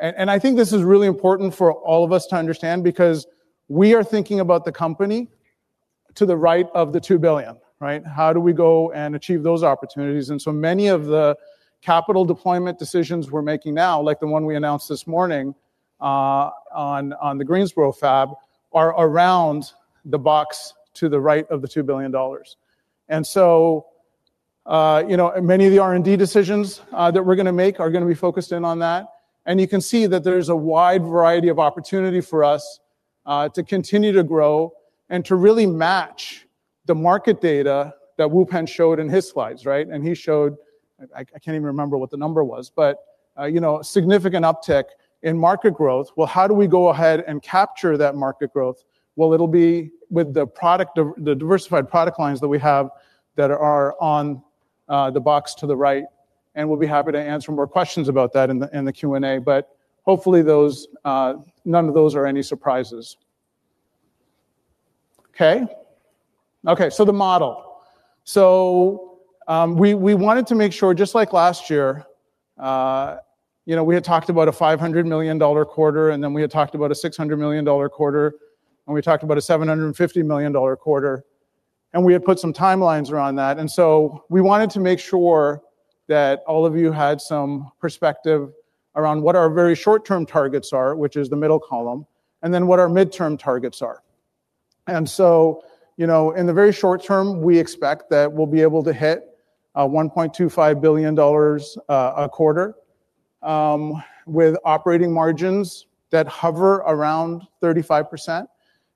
I think this is really important for all of us to understand because we are thinking about the company to the right of the $2 billion, right? How do we go and achieve those opportunities? Many of the capital deployment decisions we're making now, like the one we announced this morning on the Greensboro fab, are around the box to the right of the $2 billion. You know, many of the R&D decisions that we're going to make are going to be focused in on that. You can see that there's a wide variety of opportunity for us to continue to grow and to really match the market data that Wupen showed in his slides, right? He showed, I can't even remember what the number was, but, you know, significant uptick in market growth. Well, how do we go ahead and capture that market growth? Well, it'll be with the product, the diversified product lines that we have that are on the box to the right, and we'll be happy to answer more questions about that in the Q&A. But hopefully, those, none of those are any surprises. Okay, so the model. We wanted to make sure, just like last year, you know, we had talked about a $500 million quarter, and then we had talked about a $600 million quarter, and we talked about a $750 million quarter, and we had put some timelines around that. We wanted to make sure that all of you had some perspective around what our very short-term targets are, which is the middle column, and then what our midterm targets are. You know, in the very short term, we expect that we'll be able to hit $1.25 billion a quarter with operating margins that hover around 35%.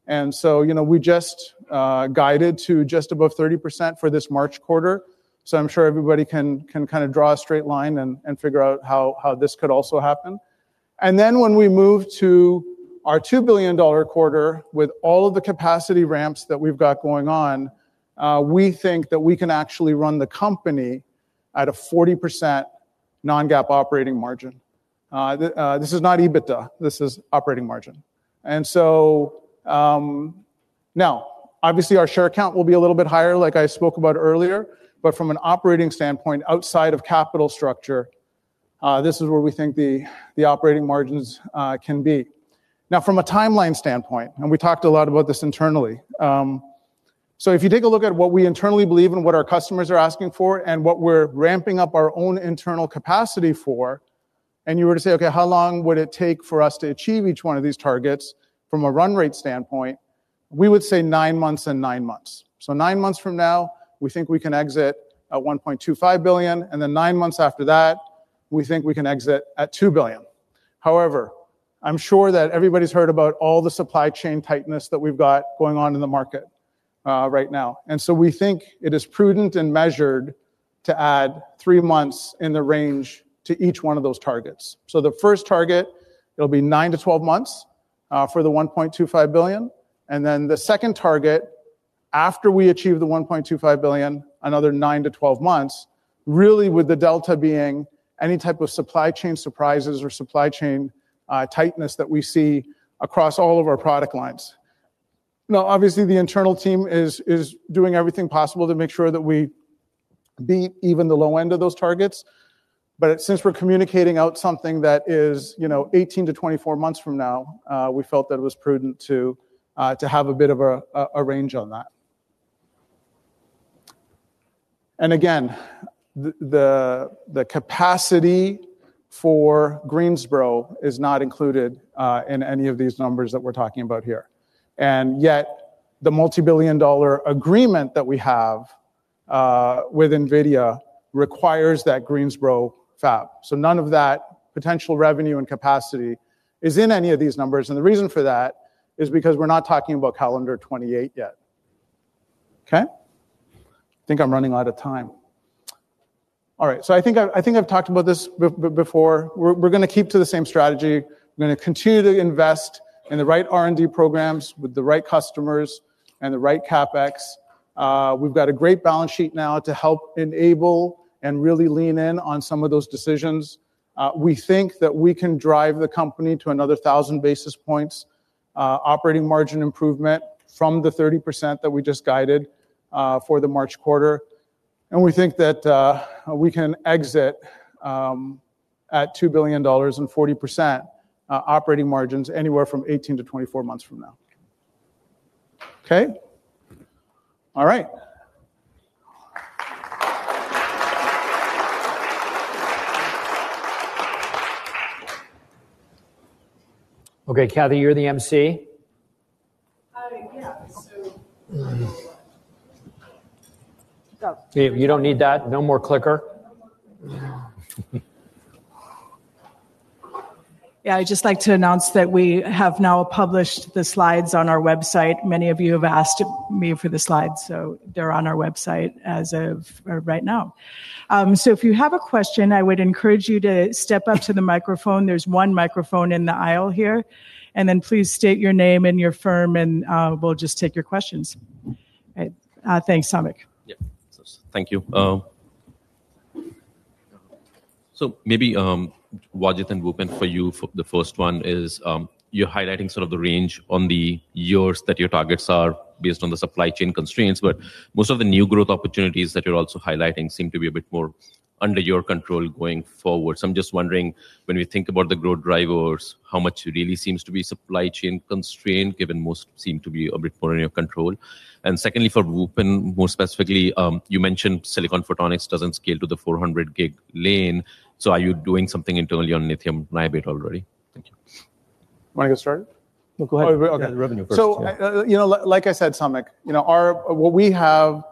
You know, we just guided to just above 30% for this March quarter, so I'm sure everybody can kind of draw a straight line and figure out how this could also happen. When we move to our $2 billion quarter with all of the capacity ramps that we've got going on, we think that we can actually run the company at a 40% non-GAAP operating margin. This is not EBITDA. This is operating margin. Now obviously our share count will be a little bit higher like I spoke about earlier, but from an operating standpoint, outside of capital structure, this is where we think the operating margins can be. From a timeline standpoint, and we talked a lot about this internally, if you take a look at what we internally believe and what our customers are asking for and what we're ramping up our own internal capacity for, and you were to say, "Okay, how long would it take for us to achieve each one of these targets from a run rate standpoint?" We would say nine months and nine months. Nine months from now we think we can exit at $1.25 billion, and then nine months after that we think we can exit at $2 billion. However, I'm sure that everybody's heard about all the supply chain tightness that we've got going on in the market, right now. We think it is prudent and measured to add three months in the range to each one of those targets. The first target, it'll be nine months-12 months for the $1.25 billion, and then the second target, after we achieve the $1.25 billion, another nine months-12 months, really with the delta being any type of supply chain surprises or supply chain tightness that we see across all of our product lines. Now obviously the internal team is doing everything possible to make sure that we beat even the low end of those targets. Since we're communicating out something that is, you know, 18 months-24 months from now, we felt that it was prudent to have a bit of a range on that. Again, the capacity for Greensboro is not included in any of these numbers that we're talking about here. Yet the multi-billion-dollar agreement that we have with Nvidia requires that Greensboro fab. None of that potential revenue and capacity is in any of these numbers, and the reason for that is because we're not talking about calendar 2028 yet. Okay. I think I'm running out of time. All right. I think I've talked about this before. We're gonna keep to the same strategy. We're gonna continue to invest in the right R&D programs with the right customers and the right CapEx. We've got a great balance sheet now to help enable and really lean in on some of those decisions. We think that we can drive the company to another 1,000 basis points operating margin improvement from the 30% that we just guided for the March quarter. We think that we can exit at $2 billion and 40% operating margins anywhere from 18 months-24 months from now. Okay. All right. Okay, Kathy, you're the MC. Yeah. Go. You don't need that? No more clicker? Yeah. I'd just like to announce that we have now published the slides on our website. Many of you have asked me for the slides, so they're on our website as of right now. So if you have a question, I would encourage you to step up to the microphone. There's one microphone in the aisle here. Then please state your name and your firm and we'll just take your questions. Thanks, Samik. Yeah. Thank you. Maybe Wajid and Wupen, for you the first one is, you're highlighting sort of the range on the years that your targets are based on the supply chain constraints, but most of the new growth opportunities that you're also highlighting seem to be a bit more under your control going forward. I'm just wondering, when we think about the growth drivers, how much really seems to be supply chain constrained given most seem to be a bit more in your control? And secondly, for Wupen, more specifically, you mentioned Silicon Photonics doesn't scale to the 400 G lane. Are you doing something internally on Lithium Niobate already? Thank you. Wanna get started? No, go ahead. Oh, okay. Yeah, the revenue first, yeah. You know, like I said, Samik, you know, what we have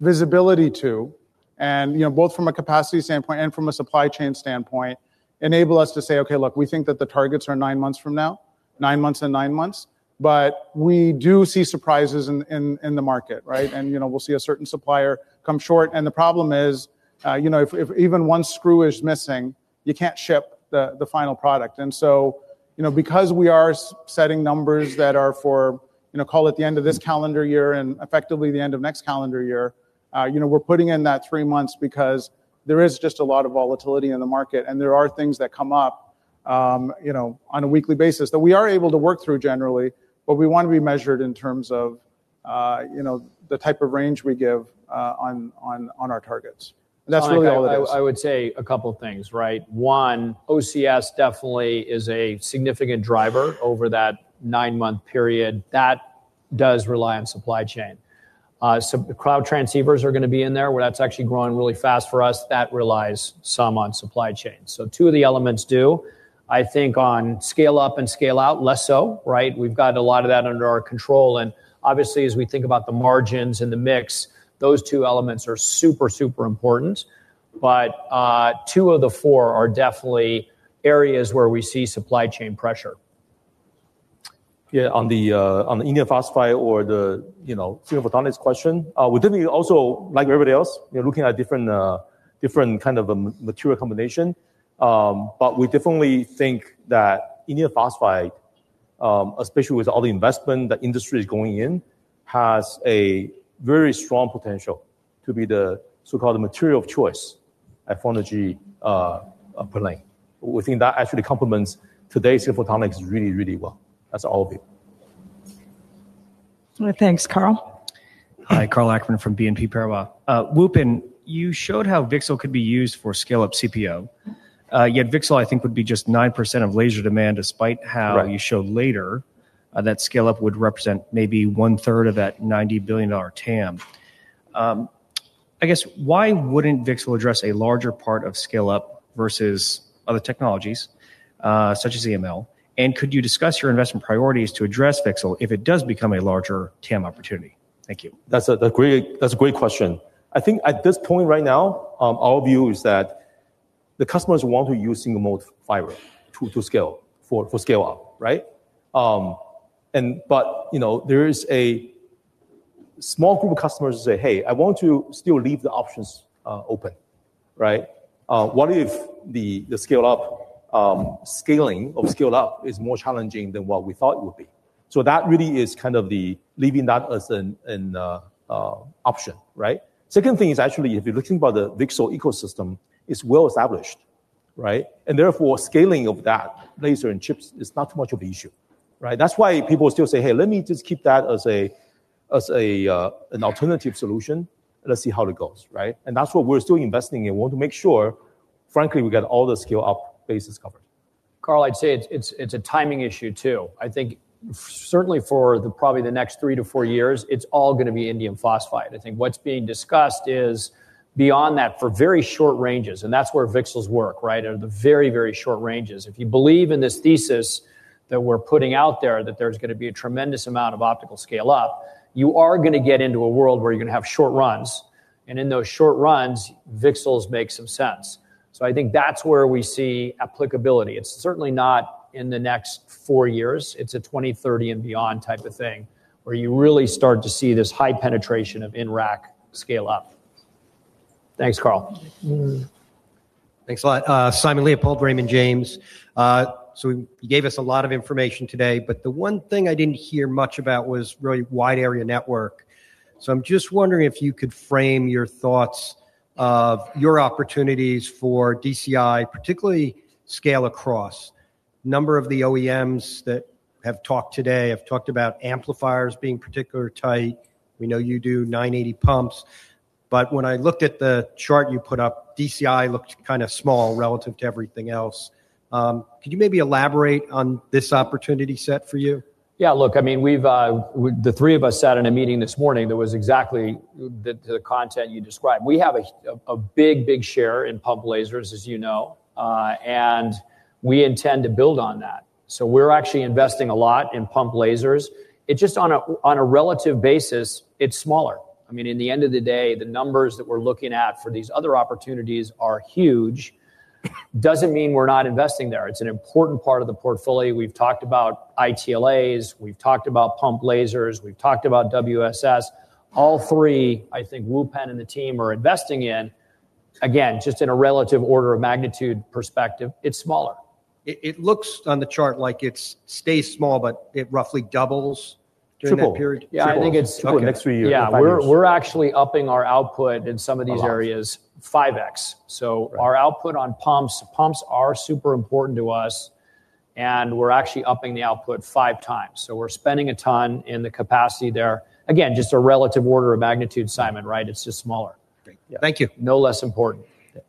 visibility to and, you know, both from a capacity standpoint and from a supply chain standpoint, enable us to say, "Okay, look, we think that the targets are nine months from now, nine months and nine months," but we do see surprises in the market, right? You know, we'll see a certain supplier come short, and the problem is, you know, if even one screw is missing, you can't ship the final product. You know, because we are setting numbers that are for- You know, call it the end of this calendar year and effectively the end of next calendar year. You know, we're putting in that three months because there is just a lot of volatility in the market, and there are things that come up, you know, on a weekly basis that we are able to work through generally, but we want to be measured in terms of, you know, the type of range we give on our targets. That's really all it is. I would say a couple of things, right? One, OCS definitely is a significant driver over that nine-month period. That does rely on supply chain. So cloud transceivers are gonna be in there, where that's actually growing really fast for us. That relies some on supply chain. So two of the elements do. I think on scale-up and scale-out, less so, right? We've got a lot of that under our control. Obviously, as we think about the margins and the mix, those two elements are super important. Two of the four are definitely areas where we see supply chain pressure. Yeah. On the indium phosphide or the, you know, silicon photonics question, we definitely also, like everybody else, we're looking at different kind of material combination. We definitely think that indium phosphide, especially with all the investment the industry is going in, has a very strong potential to be the so-called material of choice at photonic plane. We think that actually complements today's silicon photonics really, really well. That's all of it. Thanks. Karl? Hi, Karl Ackerman from BNP Paribas. Wupen Yuen, you showed how VCSEL could be used for scale-up CPO. Yet VCSEL, I think, would be just 9% of laser demand, despite how Right. You showed later that scale-up would represent maybe one-third of that $90 billion TAM. I guess why wouldn't VCSEL address a larger part of scale-up versus other technologies, such as EML? Could you discuss your investment priorities to address VCSEL if it does become a larger TAM opportunity? Thank you. That's a great question. I think at this point right now, our view is that the customers want to use single-mode fiber to scale for scale up, right? But you know, there is a small group of customers say, "Hey, I want to still leave the options open." Right? What if the scale up scaling of scale-up is more challenging than what we thought it would be? That really is kind of leaving that as an option, right? Second thing is actually, if you're looking at the VCSEL ecosystem, it's well established, right? Therefore, scaling of that laser and chips is not much of an issue, right? That's why people still say, "Hey, let me just keep that as an alternative solution. Let's see how it goes," right? That's what we're still investing in. We want to make sure, frankly, we got all the scale up bases covered. Karl, I'd say it's a timing issue too. I think certainly for probably the next three to four years, it's all gonna be indium phosphide. I think what's being discussed is beyond that for very short ranges, and that's where VCSELs work, right, are the very, very short ranges. If you believe in this thesis that we're putting out there, that there's gonna be a tremendous amount of optical scale up, you are gonna get into a world where you're gonna have short runs. In those short runs, VCSELs make some sense. I think that's where we see applicability. It's certainly not in the next four years. It's a 20, 30 and beyond type of thing, where you really start to see this high penetration of in-rack scale up. Thanks, Karl. Mm-hmm. Thanks a lot. Simon Leopold, Raymond James. You gave us a lot of information today, but the one thing I didn't hear much about was really wide area network. I'm just wondering if you could frame your thoughts of your opportunities for DCI, particularly scale across. Number of the OEMs that have talked today about amplifiers being particularly tight. We know you do 980 pumps, but when I looked at the chart you put up, DCI looked kind of small relative to everything else. Could you maybe elaborate on this opportunity set for you? I mean, we have the three of us sat in a meeting this morning that was exactly the content you described. We have a big share in pump lasers, as you know, and we intend to build on that. We're actually investing a lot in pump lasers. It's just on a relative basis, it's smaller. I mean, in the end of the day, the numbers that we're looking at for these other opportunities are huge. Doesn't mean we're not investing there. It's an important part of the portfolio. We've talked about ITLAs, we've talked about pump lasers, we've talked about WSS. All three, I think Wupen Yuen and the team are investing in. Again, just in a relative order of magnitude perspective, it's smaller. It looks on the chart like it stays small, but it roughly doubles during that period. Triple. Yeah, I think it's. Next three years. Yeah. We're actually upping our output in some of these areas. A lot. 5x. Our output on pumps are super important to us, and we're actually upping the output 5x. We're spending a ton in the capacity there. Again, just a relative order of magnitude, Simon, right? It's just smaller. Great. Thank you. No less important. Yeah.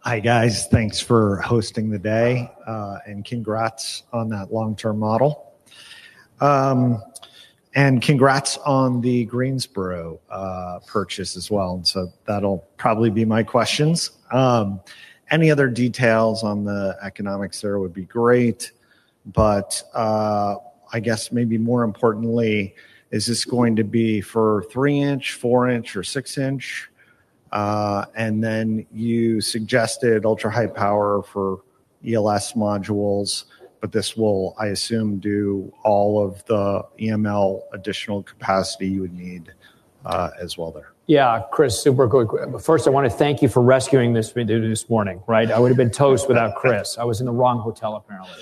Hi, guys. Thanks for hosting the day, and congrats on that long-term model. And congrats on the Greensboro purchase as well. That'll probably be my questions. Any other details on the economics there would be great. I guess maybe more importantly, is this going to be for three-inch, four-inch or six-inch? And then you suggested ultra-high-power for ELS modules, but this will, I assume, do all of the EML additional capacity you would need, as well there. Yeah. Chris, super good. First, I wanna thank you for rescuing this meeting this morning, right? I would have been toast without Chris. I was in the wrong hotel, apparently,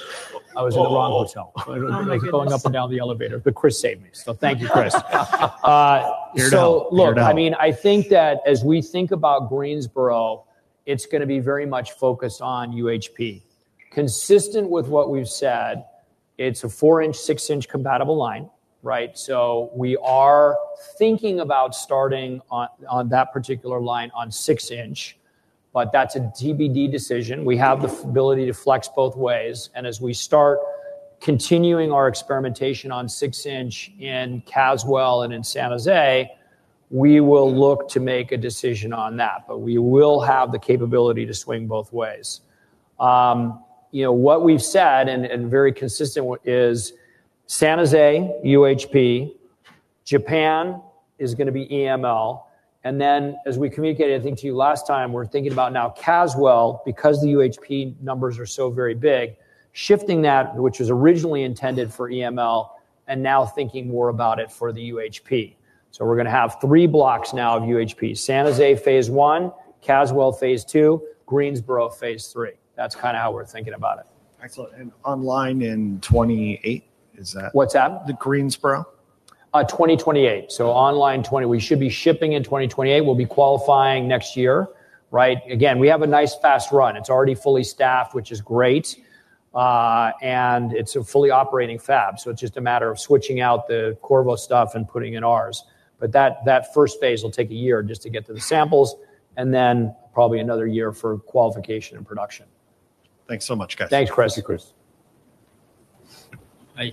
like going up and down the elevator, but Chris saved me. Thank you, Chris. Hear it out. Hear it out. Look, I mean, I think that as we think about Greensboro, it's going to be very much focused on UHP. Consistent with what we've said, it's a four-inch, six-inch compatible line, right? We are thinking about starting on that particular line on six-inch, but that's a TBD decision. We have the ability to flex both ways, and as we start continuing our experimentation on six-inch in Caswell and in San Jose, we will look to make a decision on that. We will have the capability to swing both ways. You know, what we've said and very consistent with is San Jose, UHP, Japan is going to be EML, and then as we communicated, I think to you last time, we're thinking about now Caswell, because the UHP numbers are so very big, shifting that which was originally intended for EML and now thinking more about it for the UHP. We're going to have three blocks now of UHP. San Jose, phase I, Caswell, phase II, Greensboro, phase iii. That's kind of how we're thinking about it. Excellent. Online in 2028, is that? What's that? The Greensboro. 2028. We should be shipping in 2028. We'll be qualifying next year, right? Again, we have a nice fast run. It's already fully staffed, which is great. It's a fully operating fab, so it's just a matter of switching out the Qorvo stuff and putting in ours. That first phase will take a year just to get to the samples and then probably another year for qualification and production. Thanks so much, guys. Thanks, Chris. Thank you, Chris. Hi.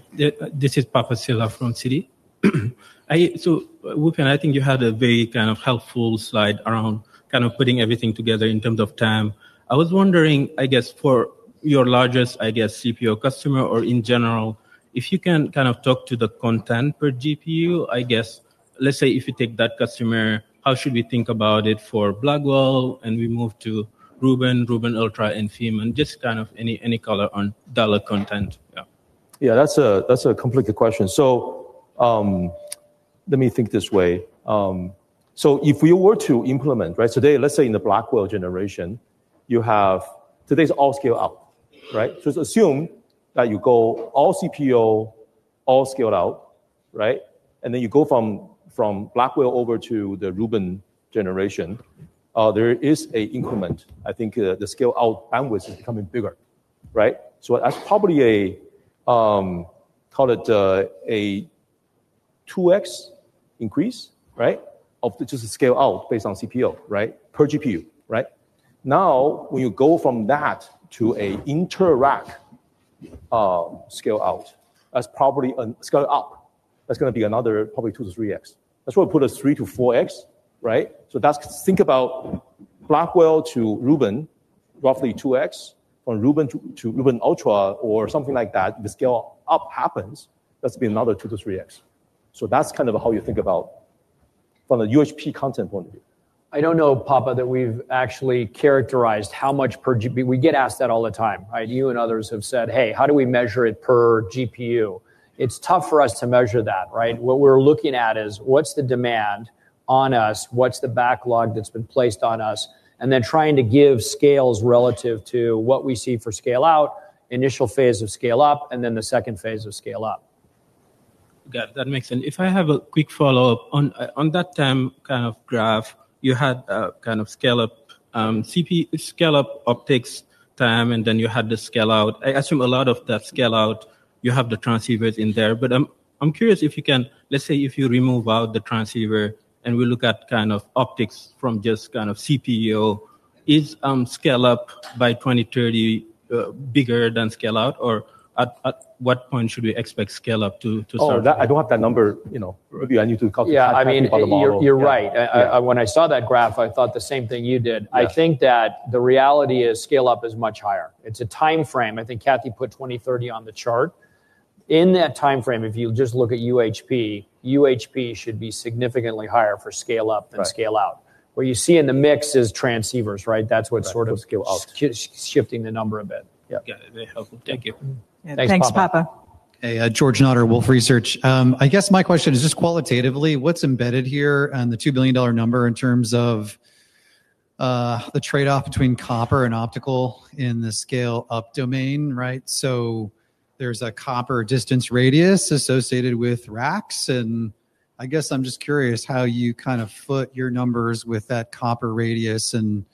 This is Papa Silva from Citi. Wupen Yuen, I think you had a very kind of helpful slide around kind of putting everything together in terms of time. I was wondering, I guess, for your largest, I guess, CPO customer or in general, if you can kind of talk to the content per GPU. I guess, let's say if you take that customer, how should we think about it for Blackwell, and we move to Rubin Ultra, and Feynman? Just kind of any color on dollar content. Yeah. Yeah, that's a complicated question. Let me think this way. If we were to implement, right? Today, let's say in the Blackwell generation, you have today's all scale out, right? Just assume that you go all CPO, all scaled out, right? You go from Blackwell over to the Rubin generation, there is a increment. I think, the scale-out bandwidth is becoming bigger, right? That's probably a, call it, a 2x increase, right? Of just the scale out based on CPO, right? Per GPU, right? Now, when you go from that to a inter-rack, scale out, that's probably scale up. That's gonna be another probably 2x-3x. That's why we put a 3x-4x, right? Think about Blackwell to Rubin, roughly 2x. From Rubin to Rubin Ultra or something like that, the scale up happens. That'll be another 2x-3x. That's kind of how you think about from a UHP content point of view. I don't know, Papa, that we've actually characterized how much per GPU. We get asked that all the time, right? You and others have said, "Hey, how do we measure it per GPU?" It's tough for us to measure that, right? What we're looking at is what's the demand on us, what's the backlog that's been placed on us, and then trying to give scales relative to what we see for scale out, initial phase of scale up, and then the phase II of scale up. Got it. That makes sense. If I have a quick follow-up. On that timeline graph, you had a scale-up CPO scale-up optics timeline, and then you had the scale-out. I assume a lot of that scale-out, you have the transceivers in there. I'm curious. Let's say if you remove out the transceiver and we look at kind of optics from just kind of CPO, is scale-up by 2030 bigger than scale-out? Or at what point should we expect scale-up to start? I don't have that number. You know, maybe I need to calculate that number for the model. Yeah. I mean, you're right. Yeah. When I saw that graph, I thought the same thing you did. Yeah. I think that the reality is scale up is much higher. It's a timeframe. I think Kathryn put 20-30 on the chart. In that timeframe, if you just look at UHP should be significantly higher for scale up than scale out. Right. What you see in the mix is transceivers, right? That's what's sort of Right. Scale out. Shifting the number a bit. Yeah. Yeah. Very helpful. Thank you. Thanks, Papa. Thanks, Papa. Hey, George Notter, Wolfe Research. I guess my question is just qualitatively, what's embedded here on the $2 billion number in terms of, the trade-off between copper and optical in the scale-up domain, right? There's a copper distance radius associated with racks, and I guess I'm just curious how you kind of foot your numbers with that copper radius and,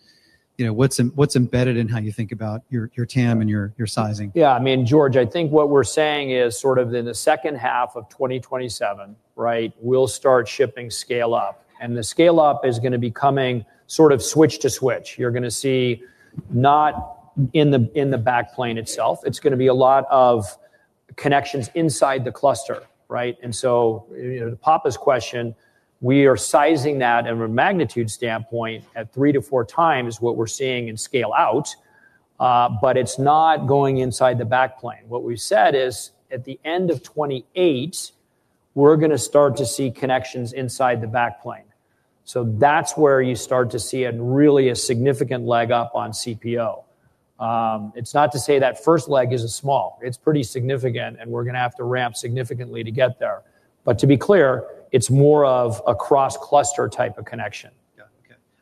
you know, what's embedded in how you think about your TAM and your sizing. Yeah. I mean, George, I think what we're saying is sort of in the H2 of 2027, right, we'll start shipping scale up, and the scale up is gonna be coming sort of switch to switch. You're gonna see not in the, in the back plane itself. It's gonna be a lot of connections inside the cluster, right? You know, to Papa's question, we are sizing that from a magnitude standpoint at 3x-4x what we're seeing in scale out, but it's not going inside the back plane. What we've said is, at the end of 2028, we're gonna start to see connections inside the back plane. That's where you start to see a really significant leg up on CPO. It's not to say that first leg is small. It's pretty significant, and we're gonna have to ramp significantly to get there. To be clear, it's more of a cross-cluster type of connection.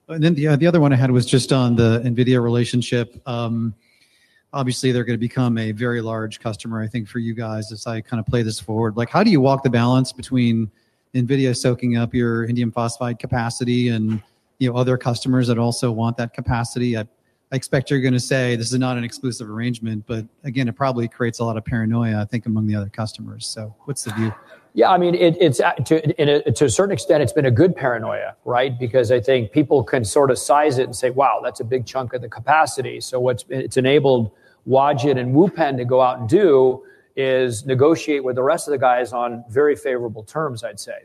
The other one I had was just on the NVIDIA relationship. Obviously they're gonna become a very large customer, I think, for you guys, as I kind of play this forward. Like, how do you walk the balance between NVIDIA soaking up your indium phosphide capacity and, you know, other customers that also want that capacity? I expect you're gonna say this is not an exclusive arrangement, but again, it probably creates a lot of paranoia, I think, among the other customers. What's the view? Yeah, I mean, it's to a certain extent been a good paranoia, right? Because I think people can sort of size it and say, "Wow, that's a big chunk of the capacity." What it's enabled Wajid and Wupen to go out and do is negotiate with the rest of the guys on very favorable terms, I'd say.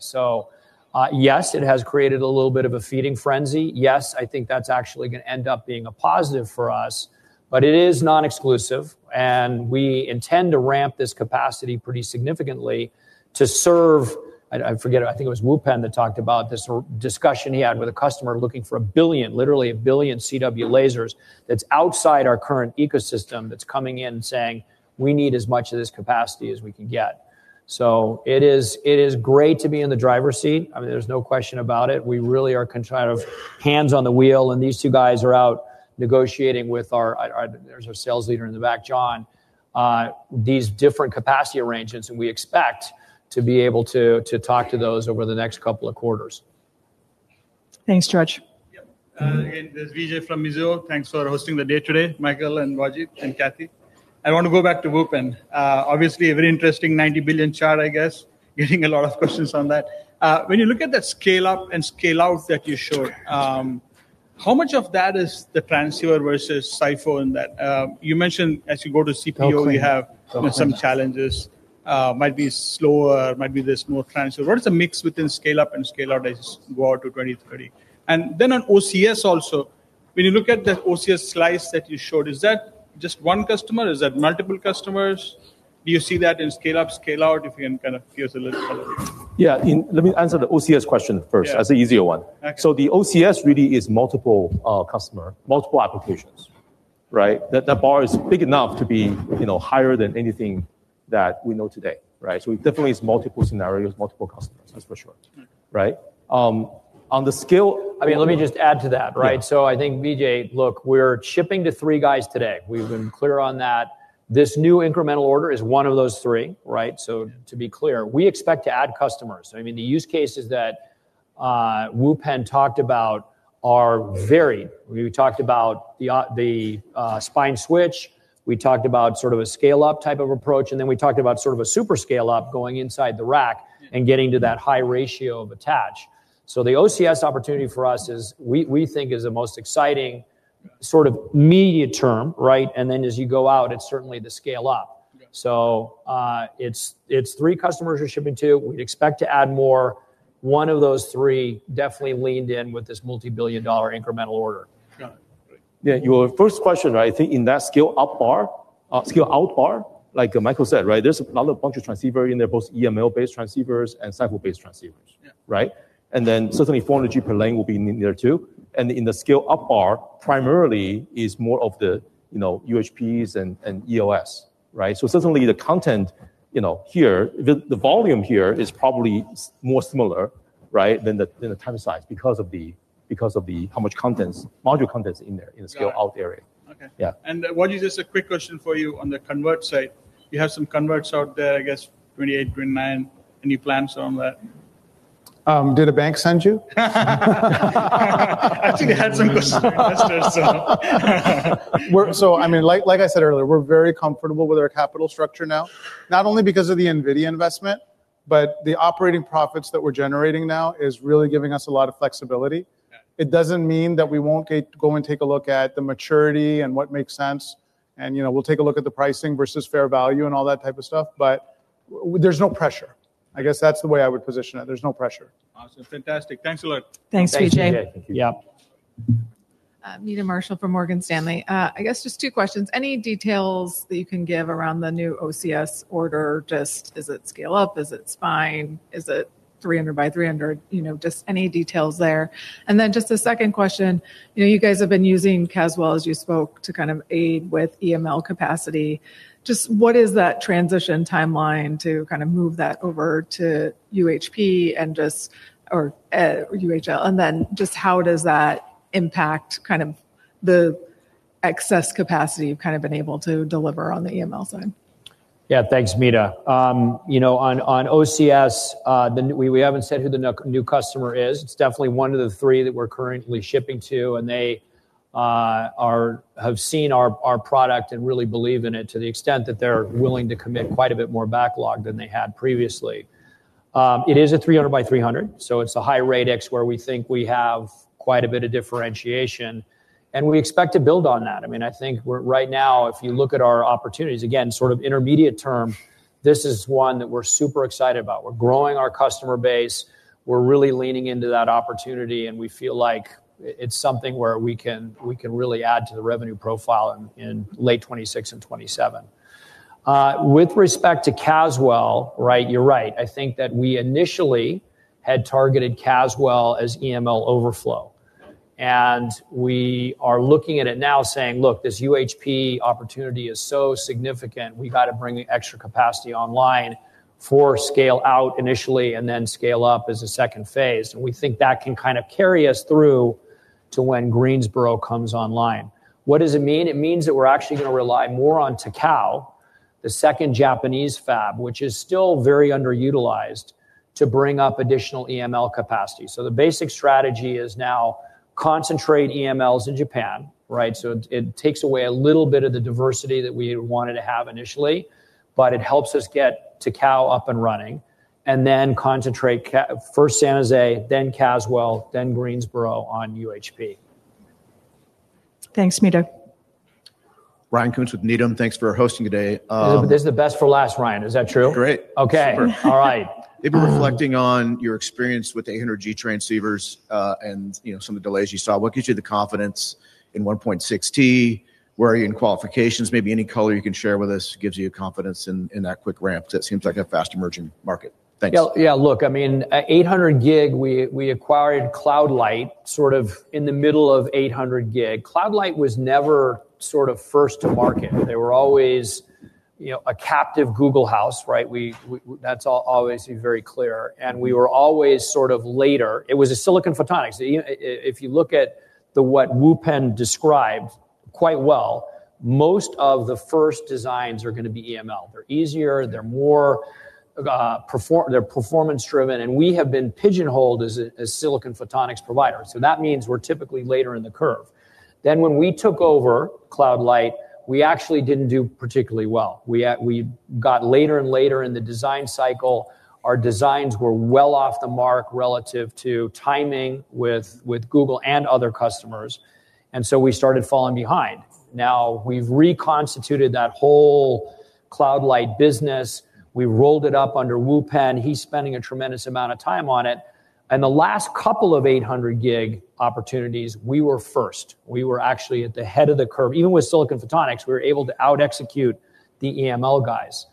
Yes, it has created a little bit of a feeding frenzy. Yes, I think that's actually gonna end up being a positive for us. It is non-exclusive, and we intend to ramp this capacity pretty significantly to serve. I forget, I think it was Wupen that talked about this sort of discussion he had with a customer looking for 1 billion, literally 1 billion CW lasers that's outside our current ecosystem that's coming in and saying, "We need as much of this capacity as we can get." It is great to be in the driver's seat. I mean, there's no question about it. We really are kind of hands on the wheel, and these two guys are out negotiating with our... There's our sales leader in the back, John, these different capacity arrangements, and we expect to be able to talk to those over the next couple of quarters. Thanks, George. Yeah. Again, this is Vijay from Mizuho. Thanks for hosting the day today, Michael and Wajid and Kathryn. I want to go back to Wupen. Obviously a very interesting $90 billion chart, I guess. Getting a lot of questions on that. When you look at that scale up and scale out that you showed, how much of that is the transceiver versus SiPho in that? You mentioned as you go to CPO, you have some challenges. Might be slower, might be there's more transceiver. What is the mix within scale up and scale out as you go out to 2030? On OCS also, when you look at the OCS slice that you showed, is that just one customer? Is that multiple customers? Do you see that in scale up, scale out? If you can kind of give us a little color. Yeah. Let me answer the OCS question first. Yeah. as the easier one. Got it. The OCS really is multiple customer, multiple applications, right? That bar is big enough to be, you know, higher than anything that we know today, right? It definitely is multiple scenarios, multiple customers, that's for sure. Mm-hmm. Right? On the scale. I mean, let me just add to that, right? Yeah. I think, Vijay, look, we're shipping to three guys today. We've been clear on that. This new incremental order is one of those three, right? To be clear, we expect to add customers. I mean, the use cases that Wupen talked about are varied. We talked about the spine switch, we talked about sort of a scale up type of approach, and then we talked about sort of a super scale up going inside the rack and getting to that high ratio of attach. The OCS opportunity for us is we think is the most exciting sort of medium term, right? As you go out, it's certainly the scale up. It's three customers we're shipping to. We expect to add more. One of those three definitely leaned in with this multi-billion dollar incremental order. Got it. Yeah, your first question, right? I think in that scale out bar, like Michael said, right? There's a lot, a bunch of transceivers in there, both EML-based transceivers and SiPho-based transceivers. Yeah. Right? Certainly 400 G per lane will be in there too. In the scale up bar primarily is more of the, you know, UHPs and ELS, right? Certainly the content, you know, here, the volume here is probably more similar, right, than the trans size because of the how much contents, module contents in there, in the scale out area. Got it. Okay. Yeah. Wajid, just a quick question for you on the convert side. You have some converts out there, I guess, 28, 29. Any plans on that? Did a bank send you? I think I had some questions. I mean, like I said earlier, we're very comfortable with our capital structure now, not only because of the NVIDIA investment, but the operating profits that we're generating now is really giving us a lot of flexibility. Yeah. It doesn't mean that we won't get to go and take a look at the maturity and what makes sense and, you know, we'll take a look at the pricing versus fair value and all that type of stuff. But there's no pressure. I guess that's the way I would position it. There's no pressure. Awesome. Fantastic. Thanks a lot. Thanks, Vijay. Thanks, Vijay. Thank you. Yeah. Meta Marshall from Morgan Stanley. I guess just two questions. Any details that you can give around the new OCS order? Just is it scale up? Is it spine? Is it 300 by 300? You know, just any details there. Just a second question. You know, you guys have been using Caswell as you spoke to kind of aid with EML capacity. Just what is that transition timeline to kind of move that over to UHP and then just how does that impact kind of the excess capacity you've kind of been able to deliver on the EML side? Yeah. Thanks, Meta. You know, on OCS, we haven't said who the new customer is. It's definitely one of the three that we're currently shipping to, and they have seen our product and really believe in it to the extent that they're willing to commit quite a bit more backlog than they had previously. It is a 300 by 300, so it's a high radix where we think we have quite a bit of differentiation, and we expect to build on that. I mean, I think we're right now, if you look at our opportunities, again, sort of intermediate term, this is one that we're super excited about. We're growing our customer base. We're really leaning into that opportunity, and we feel like it's something where we can really add to the revenue profile in late 2026 and 2027. With respect to Caswell, right, you're right. I think that we initially had targeted Caswell as EML overflow. We are looking at it now saying, "Look, this UHP opportunity is so significant, we got to bring the extra capacity online for scale out initially and then scale up as a phase II." We think that can kind of carry us through to when Greensboro comes online. What does it mean? It means that we're actually gonna rely more on Takao, the second Japanese fab, which is still very underutilized to bring up additional EML capacity. The basic strategy is now concentrate EMLs in Japan, right? It takes away a little bit of the diversity that we wanted to have initially, but it helps us get Takao up and running and then concentrate first San Jose, then Caswell, then Greensboro on UHP. Thanks, Meta. Ryan Koontz with Needham. Thanks for hosting today. This is the best for last, Ryan. Is that true? Great. Okay. Super. All right. Maybe reflecting on your experience with the 800G transceivers, some of the delays you saw, what gives you the confidence in 1.6T, where are you in qualifications, maybe any color you can share with us that gives you confidence in that quick ramp. That seems like a fast emerging market. Thanks. Yeah, yeah, look, I mean, at 800 G, we acquired Cloud Light sort of in the middle of 800 G. Cloud Light was never sort of first to market. They were always, you know, a captive Google house, right? That's always very clear, and we were always sort of later. It was Silicon Photonics. You know, if you look at what Wupen Yuen described quite well, most of the first designs are gonna be EML. They're easier, they're more performance-driven, and we have been pigeonholed as a Silicon Photonics provider, so that means we're typically later in the curve. When we took over Cloud Light, we actually didn't do particularly well. We got later and later in the design cycle, our designs were well off the mark relative to timing with Google and other customers, and so we started falling behind. Now, we've reconstituted that whole Cloud Light business. We rolled it up under Wupen Yuen. He's spending a tremendous amount of time on it, and the last couple of 800 G opportunities, we were first. We were actually at the head of the curve. Even with silicon photonics, we were able to out execute the EML guys.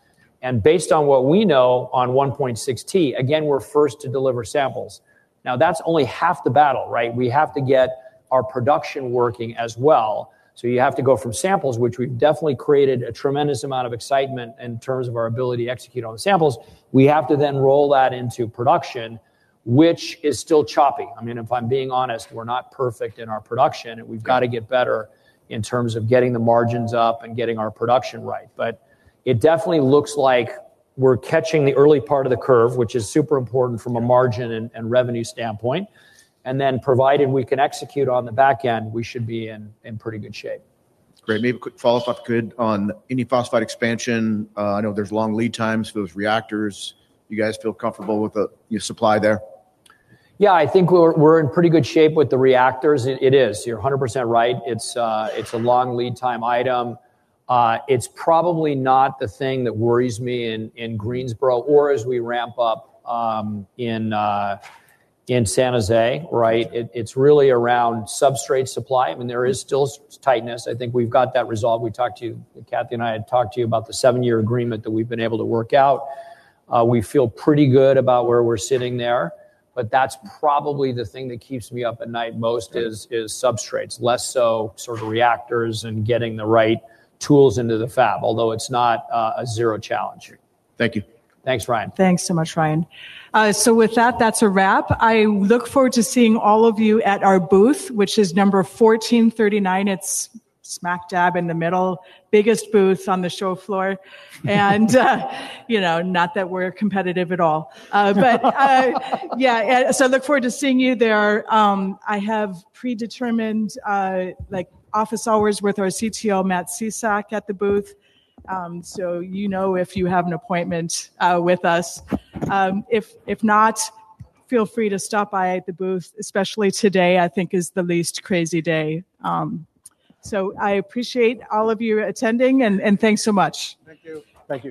Based on what we know on 1.6 T, again, we're first to deliver samples. Now, that's only 1/2 the battle, right? We have to get our production working as well. You have to go from samples, which we've definitely created a tremendous amount of excitement in terms of our ability to execute on the samples. We have to then roll that into production, which is still choppy. I mean, if I'm being honest, we're not perfect in our production, and we've got to get better in terms of getting the margins up and getting our production right. It definitely looks like we're catching the early part of the curve, which is super important from a margin and revenue standpoint. Then provided we can execute on the back end, we should be in pretty good shape. Great. Maybe a quick follow-up, if I could, on indium phosphide expansion. I know there's long lead times for those reactors. You guys feel comfortable with the, your supply there? Yeah, I think we're in pretty good shape with the reactors. It is. You're 100% right. It's a long lead time item. It's probably not the thing that worries me in Greensboro or as we ramp up in San Jose, right? It's really around substrate supply. I mean, there is still supply tightness. I think we've got that resolved. Kathryn and I had talked to you about the seven-year agreement that we've been able to work out. We feel pretty good about where we're sitting there, but that's probably the thing that keeps me up at night most is. Okay... is substrates. Less so sort of reactors and getting the right tools into the fab, although it's not a zero challenge. Thank you. Thanks, Ryan. Thanks so much, Ryan. With that's a wrap. I look forward to seeing all of you at our booth, which is number 1439. It's smack dab in the middle. Biggest booth on the show floor. You know, not that we're competitive at all. Yeah. Look forward to seeing you there. I have predetermined, like, office hours with our CTO, Matt Sysak, at the booth. You know if you have an appointment with us. If not, feel free to stop by at the booth, especially today, I think is the least crazy day. I appreciate all of you attending and thanks so much. Thank you. Thank you.